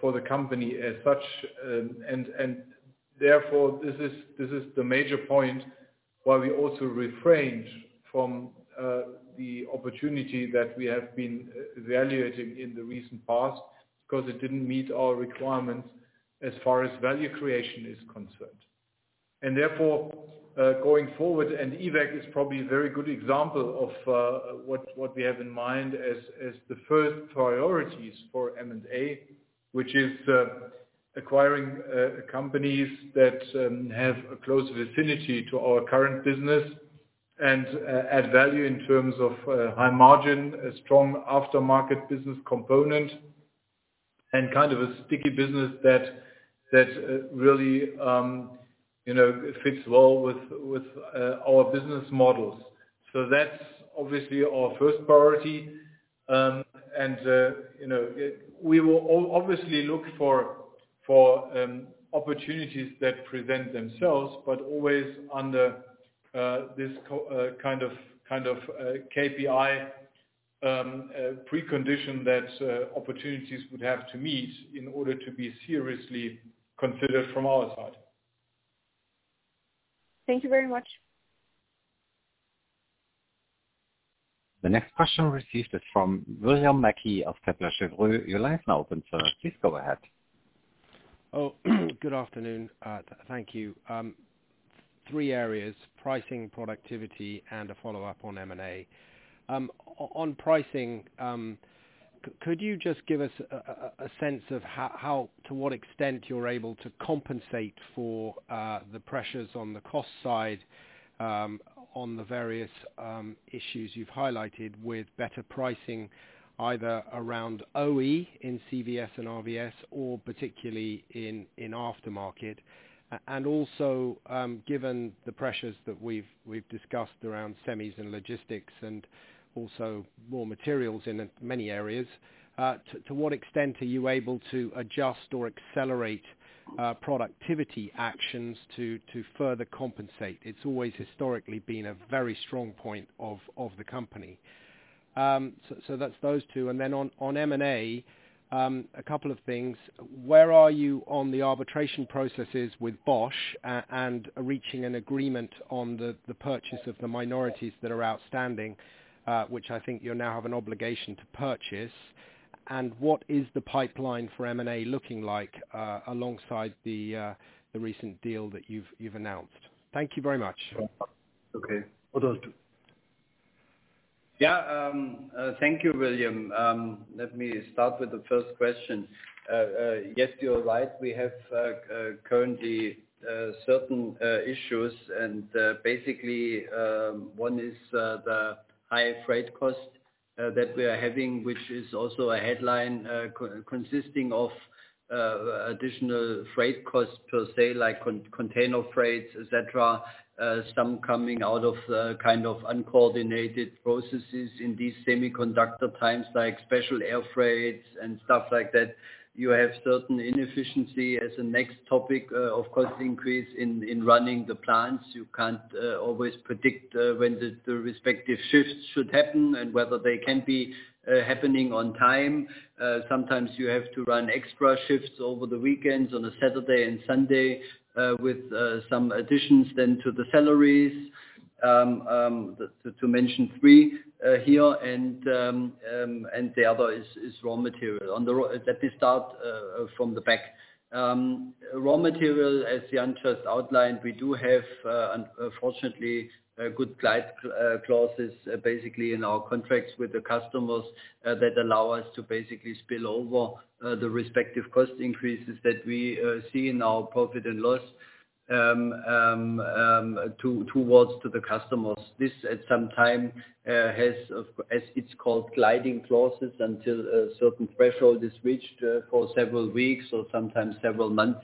for the company as such. Therefore, this is the major point why we also refrained from the opportunity that we have been evaluating in the recent past because it didn't meet our requirements as far as value creation is concerned. Therefore, going forward, Evac is probably a very good example of what we have in mind as the first priorities for M&A, which is acquiring companies that have a closer affinity to our current business and add value in terms of high margin, a strong aftermarket business component, and kind of a sticky business that really fits well with our business models. That's obviously our first priority. We will obviously look for opportunities that present themselves, but always under this kind of KPI precondition that opportunities would have to meet in order to be seriously considered from our side. Thank you very much. The next question received is from William Mackie of Kepler Cheuvreux. Your line's now open, sir. Please go ahead. Good afternoon. Thank you. Three areas, pricing, productivity, and a follow-up on M&A. On pricing, could you just give us a sense of how to what extent you're able to compensate for the pressures on the cost side, on the various issues you've highlighted with better pricing, either around OE in CVS and RVS or particularly in aftermarket. Also, given the pressures that we've discussed around semis and logistics and also raw materials in many areas, to what extent are you able to adjust or accelerate productivity actions to further compensate? It's always historically been a very strong point of the company. That's those two, then on M&A, a couple of things. Where are you on the arbitration processes with Bosch and reaching an agreement on the purchase of the minorities that are outstanding, which I think you now have an obligation to purchase? What is the pipeline for M&A looking like, alongside the recent deal that you've announced? Thank you very much. Thank you, William. Let me start with the first question. Yes, you're right. We have currently certain issues and basically, one is the high freight cost that we are having, which is also a headline consisting of additional freight costs per se, like container freights, et cetera. Some coming out of uncoordinated processes in these semiconductor times, like special air freights and stuff like that. You have certain inefficiency as a next topic, of course, increase in running the plants. You can't always predict when the respective shifts should happen and whether they can be happening on time. Sometimes you have to run extra shifts over the weekends, on a Saturday and Sunday, with some additions then to the salaries. To mention three here, and the other is raw material. Let me start from the back. Raw material, as Jan just outlined, we do have, fortunately, good glide clauses, basically, in our contracts with the customers that allow us to basically spill over the respective cost increases that we see in our profit and loss towards to the customers. This at some time has, as it's called, gliding clauses until a certain threshold is reached for several weeks or sometimes several months.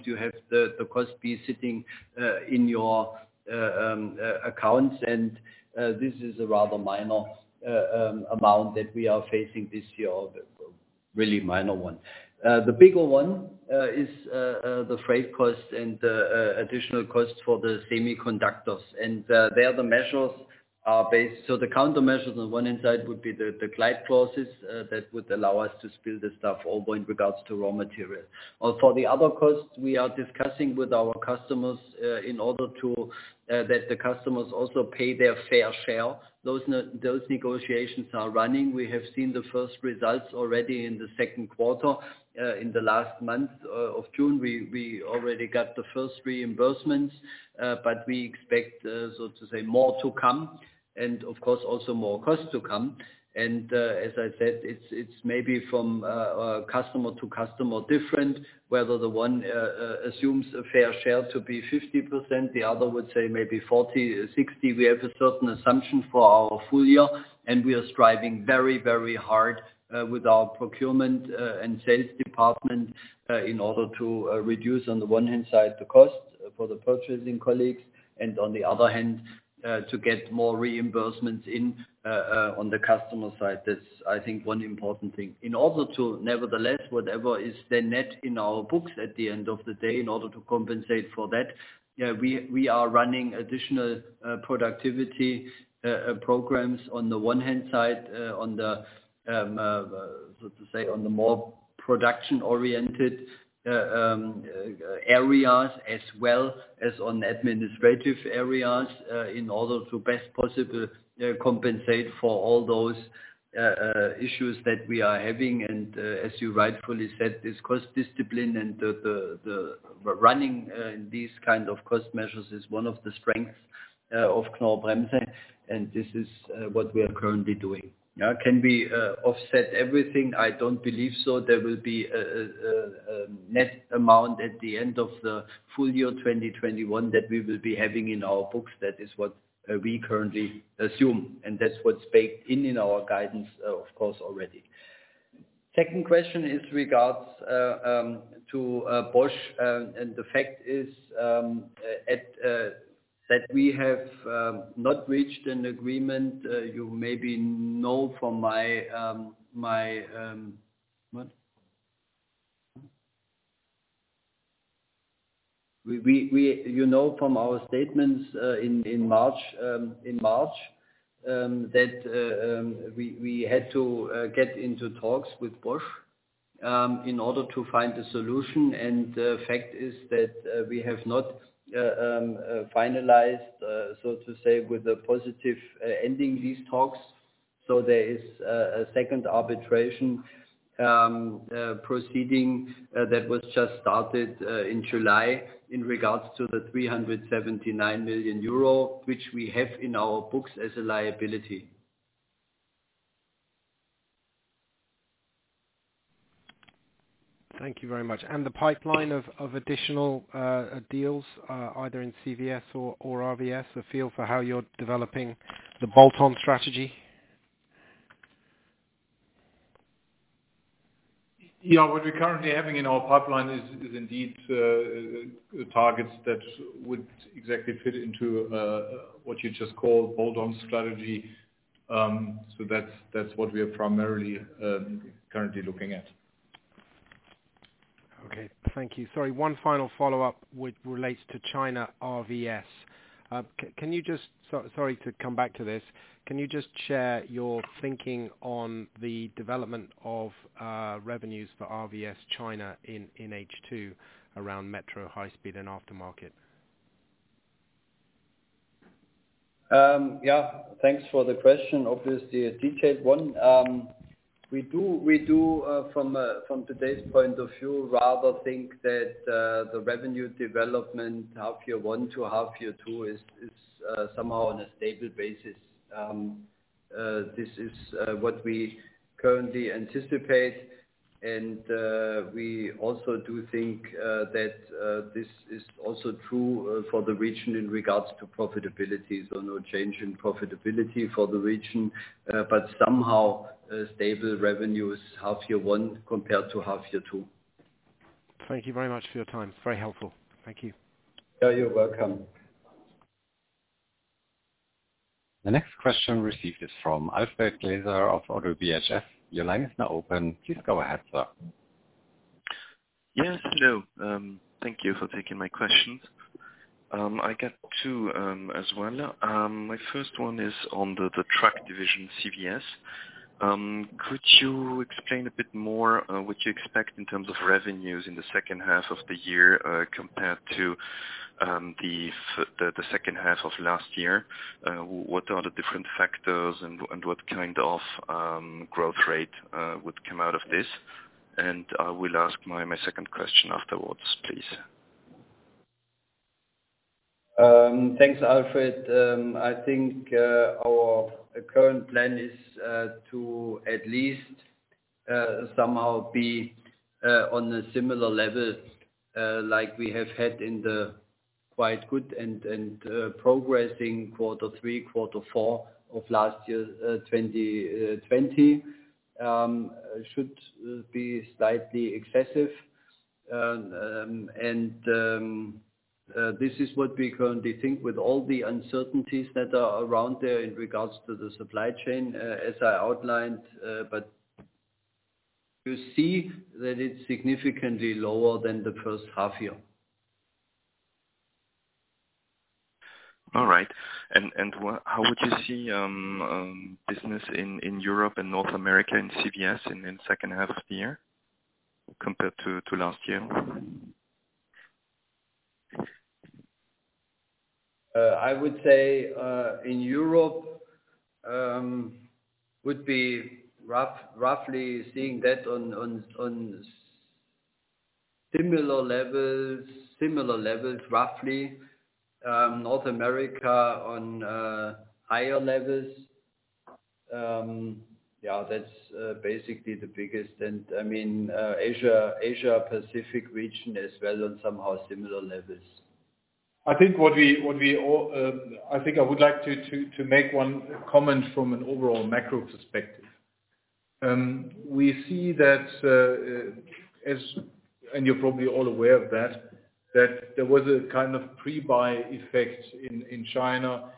This is a rather minor amount that we are facing this year. A really minor one. The bigger one is the freight cost and the additional costs for the semiconductors. There, the countermeasures on one inside would be the glide clauses that would allow us to spill the stuff over in regards to raw material. For the other costs, we are discussing with our customers in order that the customers also pay their fair share. Those negotiations are running. We have seen the first results already in the second quarter. In the last month of June, we already got the first reimbursements. We expect, so to say, more to come, and of course, also more costs to come. As I said, it's maybe from customer to customer different, whether the one assumes a fair share to be 50%, the other would say maybe 40/60. We have a certain assumption for our full year, and we are striving very hard with our procurement and sales department in order to reduce, on the one hand side, the cost for the purchasing colleagues, and on the other hand, to get more reimbursements in on the customer side. That's, I think, one important thing. In order to, nevertheless, whatever is the net in our books at the end of the day, in order to compensate for that, we are running additional productivity programs on the one hand side, on the more production-oriented areas, as well as on administrative areas, in order to best possible compensate for all those issues that we are having. As you rightfully said, this cost discipline and the running these kind of cost measures is one of the strengths of Knorr-Bremse, and this is what we are currently doing. Can we offset everything? I don't believe so. There will be a net amount at the end of the full year 2021 that we will be having in our books. That is what we currently assume, and that's what's baked in in our guidance, of course, already. Second question is regards to Bosch, the fact is that we have not reached an agreement. You know from our statements in March that we had to get into talks with Bosch in order to find a solution. The fact is that we have not finalized, so to say, with a positive ending these talks. There is a second arbitration proceeding that was just started in July in regards to the 379 million euro, which we have in our books as a liability. Thank you very much. The pipeline of additional deals, either in CVS or RVS, a feel for how you're developing the bolt-on strategy? What we're currently having in our pipeline is indeed targets that would exactly fit into what you just called bolt-on strategy. That's what we are primarily currently looking at. Okay. Thank you. Sorry, one final follow-up, which relates to China RVS. Sorry to come back to this. Can you just share your thinking on the development of revenues for RVS China in H2 around metro, high speed, and aftermarket? Thanks for the question. Obviously, a detailed one. We do, from today's point of view, rather think that the revenue development half year one to half year two is somehow on a stable basis. This is what we currently anticipate, and we also do think that this is also true for the region in regards to profitability. No change in profitability for the region, but somehow stable revenues half year one compared to half year two. Thank you very much for your time. Very helpful. Thank you. Yeah, you're welcome. The next question received is from Alfred Glaser of ODDO BHF. Your line is now open. Please go ahead, sir. Yes. Hello. Thank you for taking my questions. I got two as well. My first one is on the truck division CVS. Could you explain a bit more what you expect in terms of revenues in the second half of the year compared to the second half of last year? What are the different factors and what kind of growth rate would come out of this? I will ask my second question afterwards, please. Thanks, Alfred. I think our current plan is to at least somehow be on a similar level like we have had in the quite good and progressing quarter three, quarter four of last year, 2020. Should be slightly excessive. This is what we currently think with all the uncertainties that are around there in regards to the supply chain, as I outlined, but you see that it's significantly lower than the first half year. All right. How would you see business in Europe and North America in CVS in the second half of the year compared to last year? I would say, in Europe would be roughly seeing that on similar levels, roughly. North America on higher levels. Yeah, that's basically the biggest. Asia Pacific region as well on somehow similar levels. I think I would like to make one comment from an overall macro perspective. We see that, and you're probably all aware of that there was a kind of pre-buy effect in China,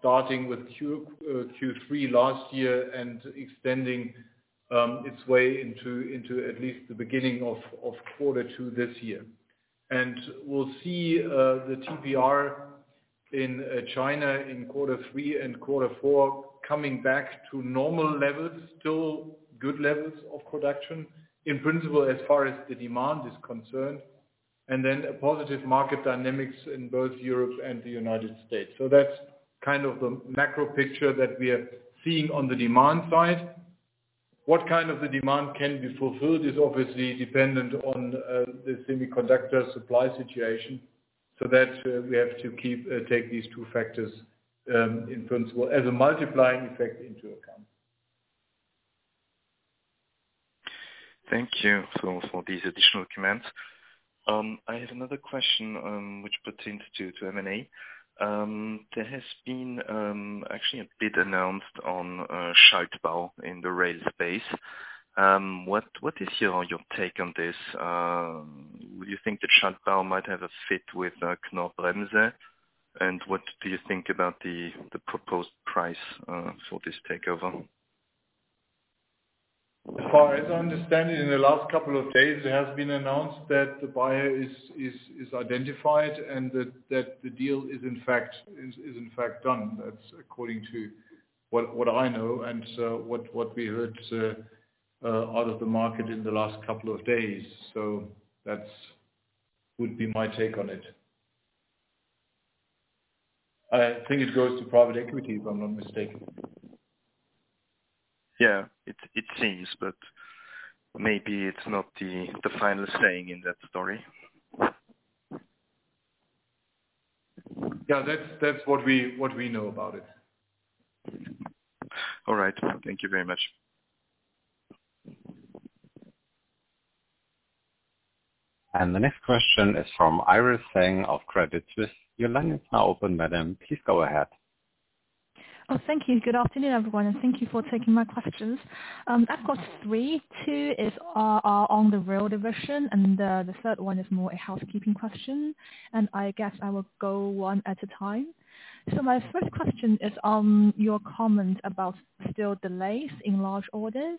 starting with Q3 last year and extending its way into at least the beginning of quarter two this year. We'll see the TPR in China in quarter three and quarter four coming back to normal levels, still good levels of production, in principle, as far as the demand is concerned, and then a positive market dynamics in both Europe and the United States. That's kind of the macro picture that we are seeing on the demand side. What kind of the demand can be fulfilled is obviously dependent on the semiconductor supply situation. That we have to take these two factors, in principle, as a multiplying effect into account. Thank you for these additional comments. I had another question, which pertains to M&A. There has been actually a bit announced on Schaltbau in the rail space. What is your take on this? Do you think that Schaltbau might have a fit with Knorr-Bremse? And what do you think about the proposed price for this takeover? As far as I understand it, in the last couple of days, it has been announced that the buyer is identified and that the deal is in fact done. That's according to what I know and what we heard out of the market in the last couple of days. That would be my take on it. I think it goes to private equity, if I'm not mistaken. Yeah. It seems, but maybe it's not the final saying in that story. Yeah. That's what we know about it. All right. Thank you very much. The next question is from Iris Zheng of Credit Suisse. Your line is now open, madam. Please go ahead. Thank you. Good afternoon, everyone, thank you for taking my questions. I've got three. Two is on the rail division, the third one is more a housekeeping question, I guess I will go one at a time. My first question is on your comment about still delays in large orders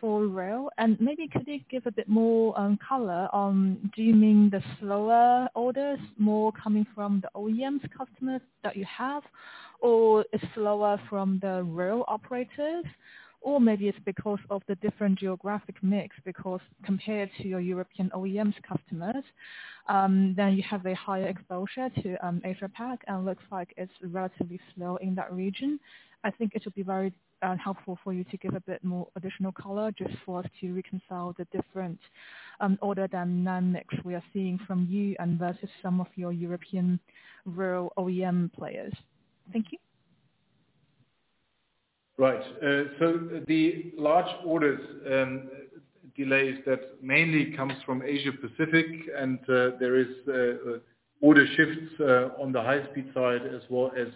for rail. Maybe could you give a bit more color on, do you mean the slower orders more coming from the OEMs customers that you have, or it's slower from the rail operators? Maybe it's because of the different geographic mix, because compared to your European OEMs customers, you have a higher exposure to Asia-Pac and looks like it's relatively slow in that region. I think it would be very helpful for you to give a bit more additional color just for us to reconcile the different order dynamics we are seeing from you and versus some of your European rail OEM players. Thank you. Right. The large orders delays that mainly comes from Asia Pacific and there is order shifts on the high-speed side as well as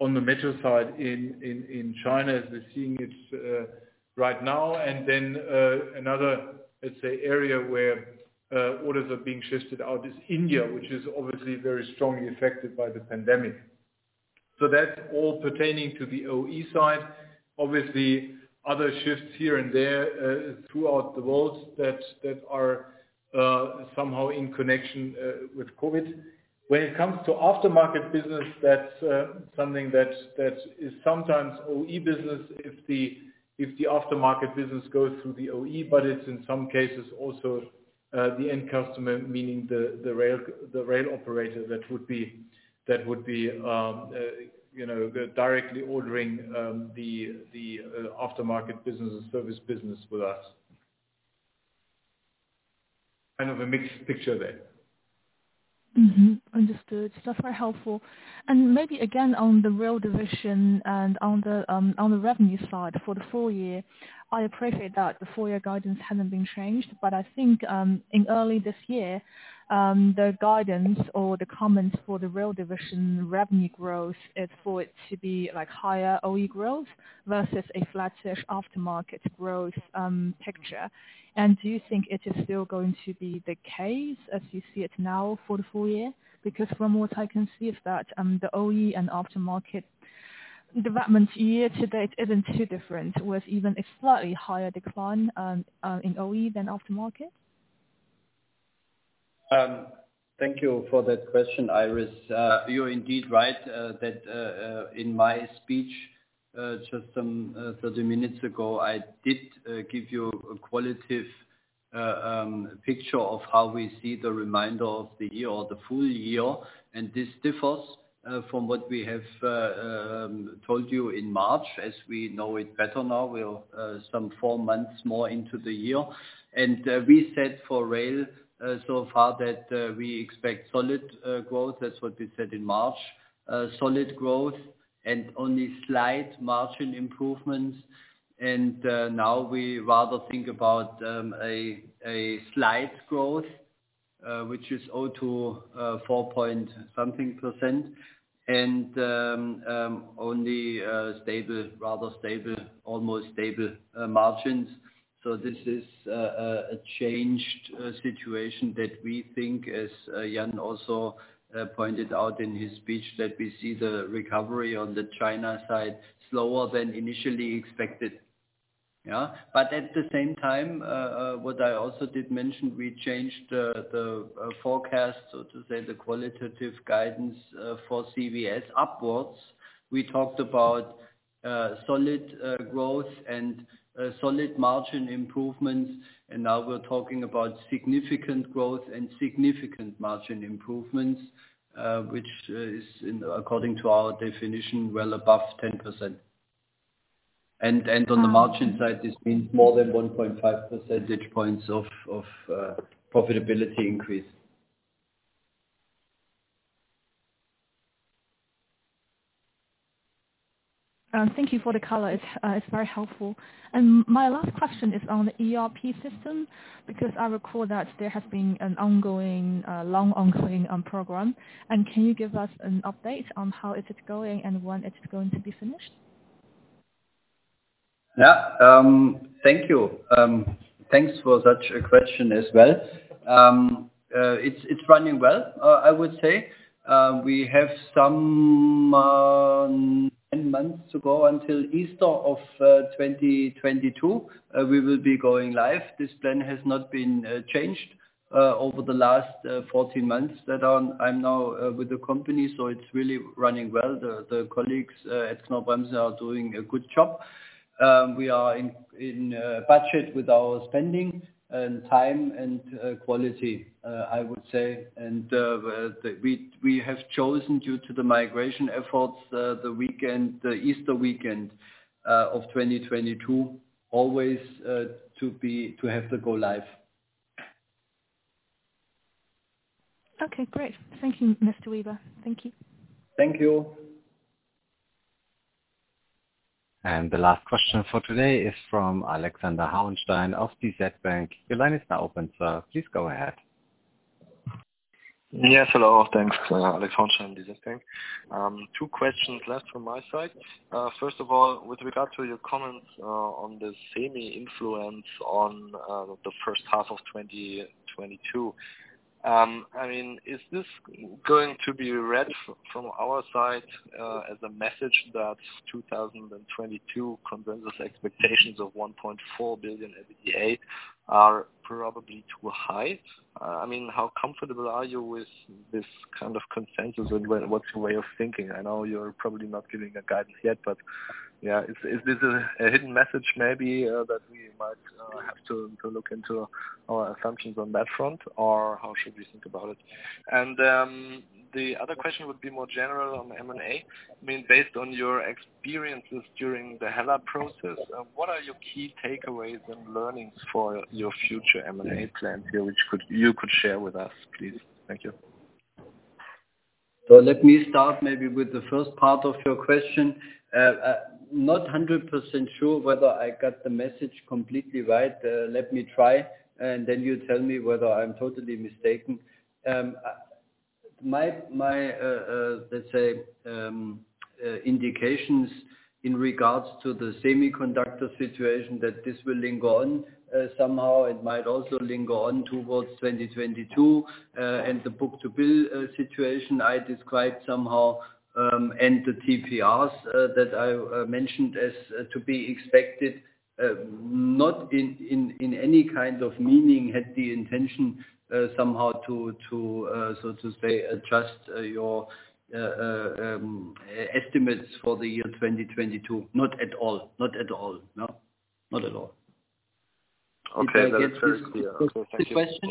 on the metro side in China, we're seeing it right now. Another, let's say, area where orders are being shifted out is India, which is obviously very strongly affected by the pandemic. That's all pertaining to the OE side. Obviously, other shifts here and there, throughout the world that are somehow in connection with COVID. When it comes to aftermarket business, that's something that is sometimes OE business if the aftermarket business goes through the OE, but it's in some cases also the end customer, meaning the rail operator that would be directly ordering the aftermarket business or service business with us. Kind of a mixed picture there. Understood. That's very helpful. Maybe again, on the rail division and on the revenue side for the full year, I appreciate that the full year guidance hasn't been changed, but I think, in early this year, the guidance or the comments for the rail division revenue growth is for it to be higher OE growth versus a flattish aftermarket growth picture. Do you think it is still going to be the case as you see it now for the full year? Because from what I can see is that, the OE and aftermarket development year-to-date isn't too different, with even a slightly higher decline in OE than aftermarket. Thank you for that question, Iris. You're indeed right, that in my speech just some 30 minutes ago, I did give you a qualitative picture of how we see the reminder of the year or the full year, and this differs from what we have told you in March, as we know it better now. We're some four months more into the year. We said for rail so far that we expect solid growth. That's what we said in March, solid growth and only slight margin improvements. Now we rather think about a slight growth, which is up to 4 point something percent and only rather stable, almost stable margins. This is a changed situation that we think, as Jan also pointed out in his speech, that we see the recovery on the China side slower than initially expected. Yeah. At the same time, what I also did mention, we changed the forecast, so to say, the qualitative guidance for CVS upwards. We talked about solid growth and solid margin improvements. Now we're talking about significant growth and significant margin improvements, which is according to our definition, well above 10%. On the margin side, this means more than 1.5 percentage points of profitability increase. Thank you for the color. It's very helpful. My last question is on the ERP system, because I recall that there has been a long ongoing program. Can you give us an update on how it is going and when it's going to be finished? Yeah. Thank you. Thanks for such a question as well. It's running well, I would say. We have some 10 months to go until Easter of 2022. We will be going live. This plan has not been changed over the last 14 months that I'm now with the company, so it's really running well. The colleagues at Knorr-Bremse are doing a good job. We are in budget with our spending and time and quality, I would say. We have chosen due to the migration efforts, the Easter weekend of 2022 always to have to go live. Okay, great. Thank you, Mr. Weber. Thank you. Thank you. The last question for today is from Alexander Hauenstein of DZ Bank. Your line is now open, sir. Please go ahead. Yes, hello. Thanks. Alexander Hauenstein, DZ Bank. Two questions left from my side. First of all, with regard to your comments on the semi influence on the first half of 2022. Is this going to be read from our side as a message that 2022 consensus expectations of 1.4 billion EBITDA are probably too high? How comfortable are you with this kind of consensus and what's your way of thinking? I know you're probably not giving a guidance yet, but yeah, is this a hidden message maybe that we might have to look into our assumptions on that front? How should we think about it? The other question would be more general on M&A. Based on your experiences during the Hella process, what are your key takeaways and learnings for your future M&A plans here, which you could share with us, please? Thank you. Let me start maybe with the first part of your question. Not 100% sure whether I got the message completely right. Let me try, and then you tell me whether I'm totally mistaken. My, let's say, indications in regards to the semiconductor situation that this will linger on somehow, it might also linger on towards 2022. The book-to-bill situation I described somehow, and the TPRs that I mentioned as to be expected, not in any kind of meaning had the intention somehow to say adjust your estimates for the year 2022. Not at all. No. Not at all. Okay. That's very clear. Does that answer the question?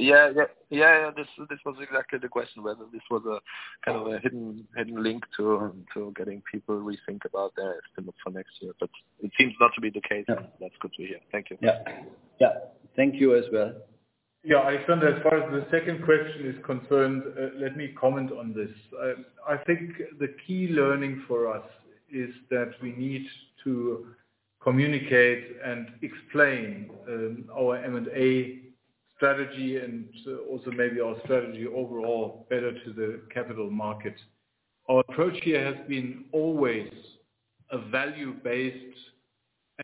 Yeah. This was exactly the question, whether this was a kind of a hidden link to getting people rethink about their estimate for next year, but it seems not to be the case. Yeah. That's good to hear. Thank you. Yeah. Thank you as well. Yeah, I understand. As far as the second question is concerned, let me comment on this. I think the key learning for us is that we need to communicate and explain our M&A strategy and also maybe our strategy overall better to the capital market. Our approach here has been always a value-based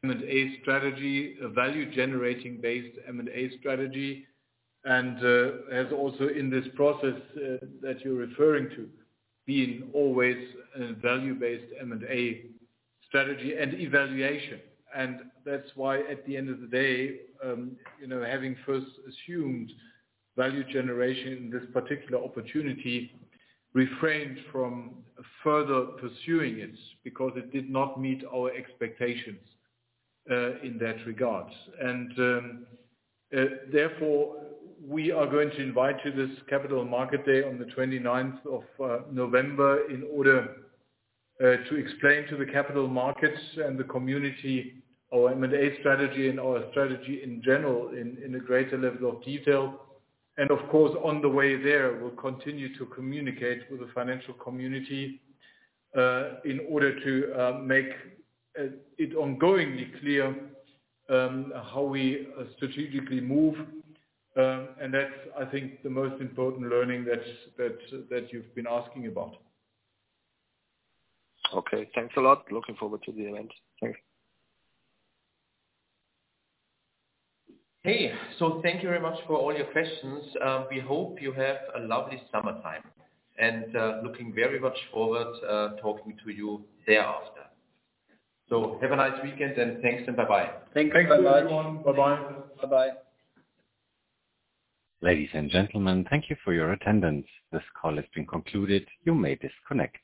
M&A strategy, a value-generating based M&A strategy. Has also in this process that you're referring to, been always a value-based M&A strategy and evaluation. That's why at the end of the day, having first assumed value generation in this particular opportunity, refrained from further pursuing it because it did not meet our expectations, in that regard. Therefore we are going to invite you this Capital Market Day on the 29th of November in order to explain to the capital markets and the community our M&A strategy and our strategy in general in a greater level of detail. Of course, on the way there, we'll continue to communicate with the financial community, in order to make it ongoingly clear how we strategically move. That's, I think, the most important learning that you've been asking about. Okay. Thanks a lot. Looking forward to the event. Thanks. Hey, thank you very much for all your questions. We hope you have a lovely summertime. Looking very much forward talking to you thereafter. Have a nice weekend and thanks and bye-bye. Thank you. Bye-bye. Thanks everyone. Bye-bye. Bye-bye. Ladies and gentlemen, thank you for your attendance. This call has been concluded. You may disconnect.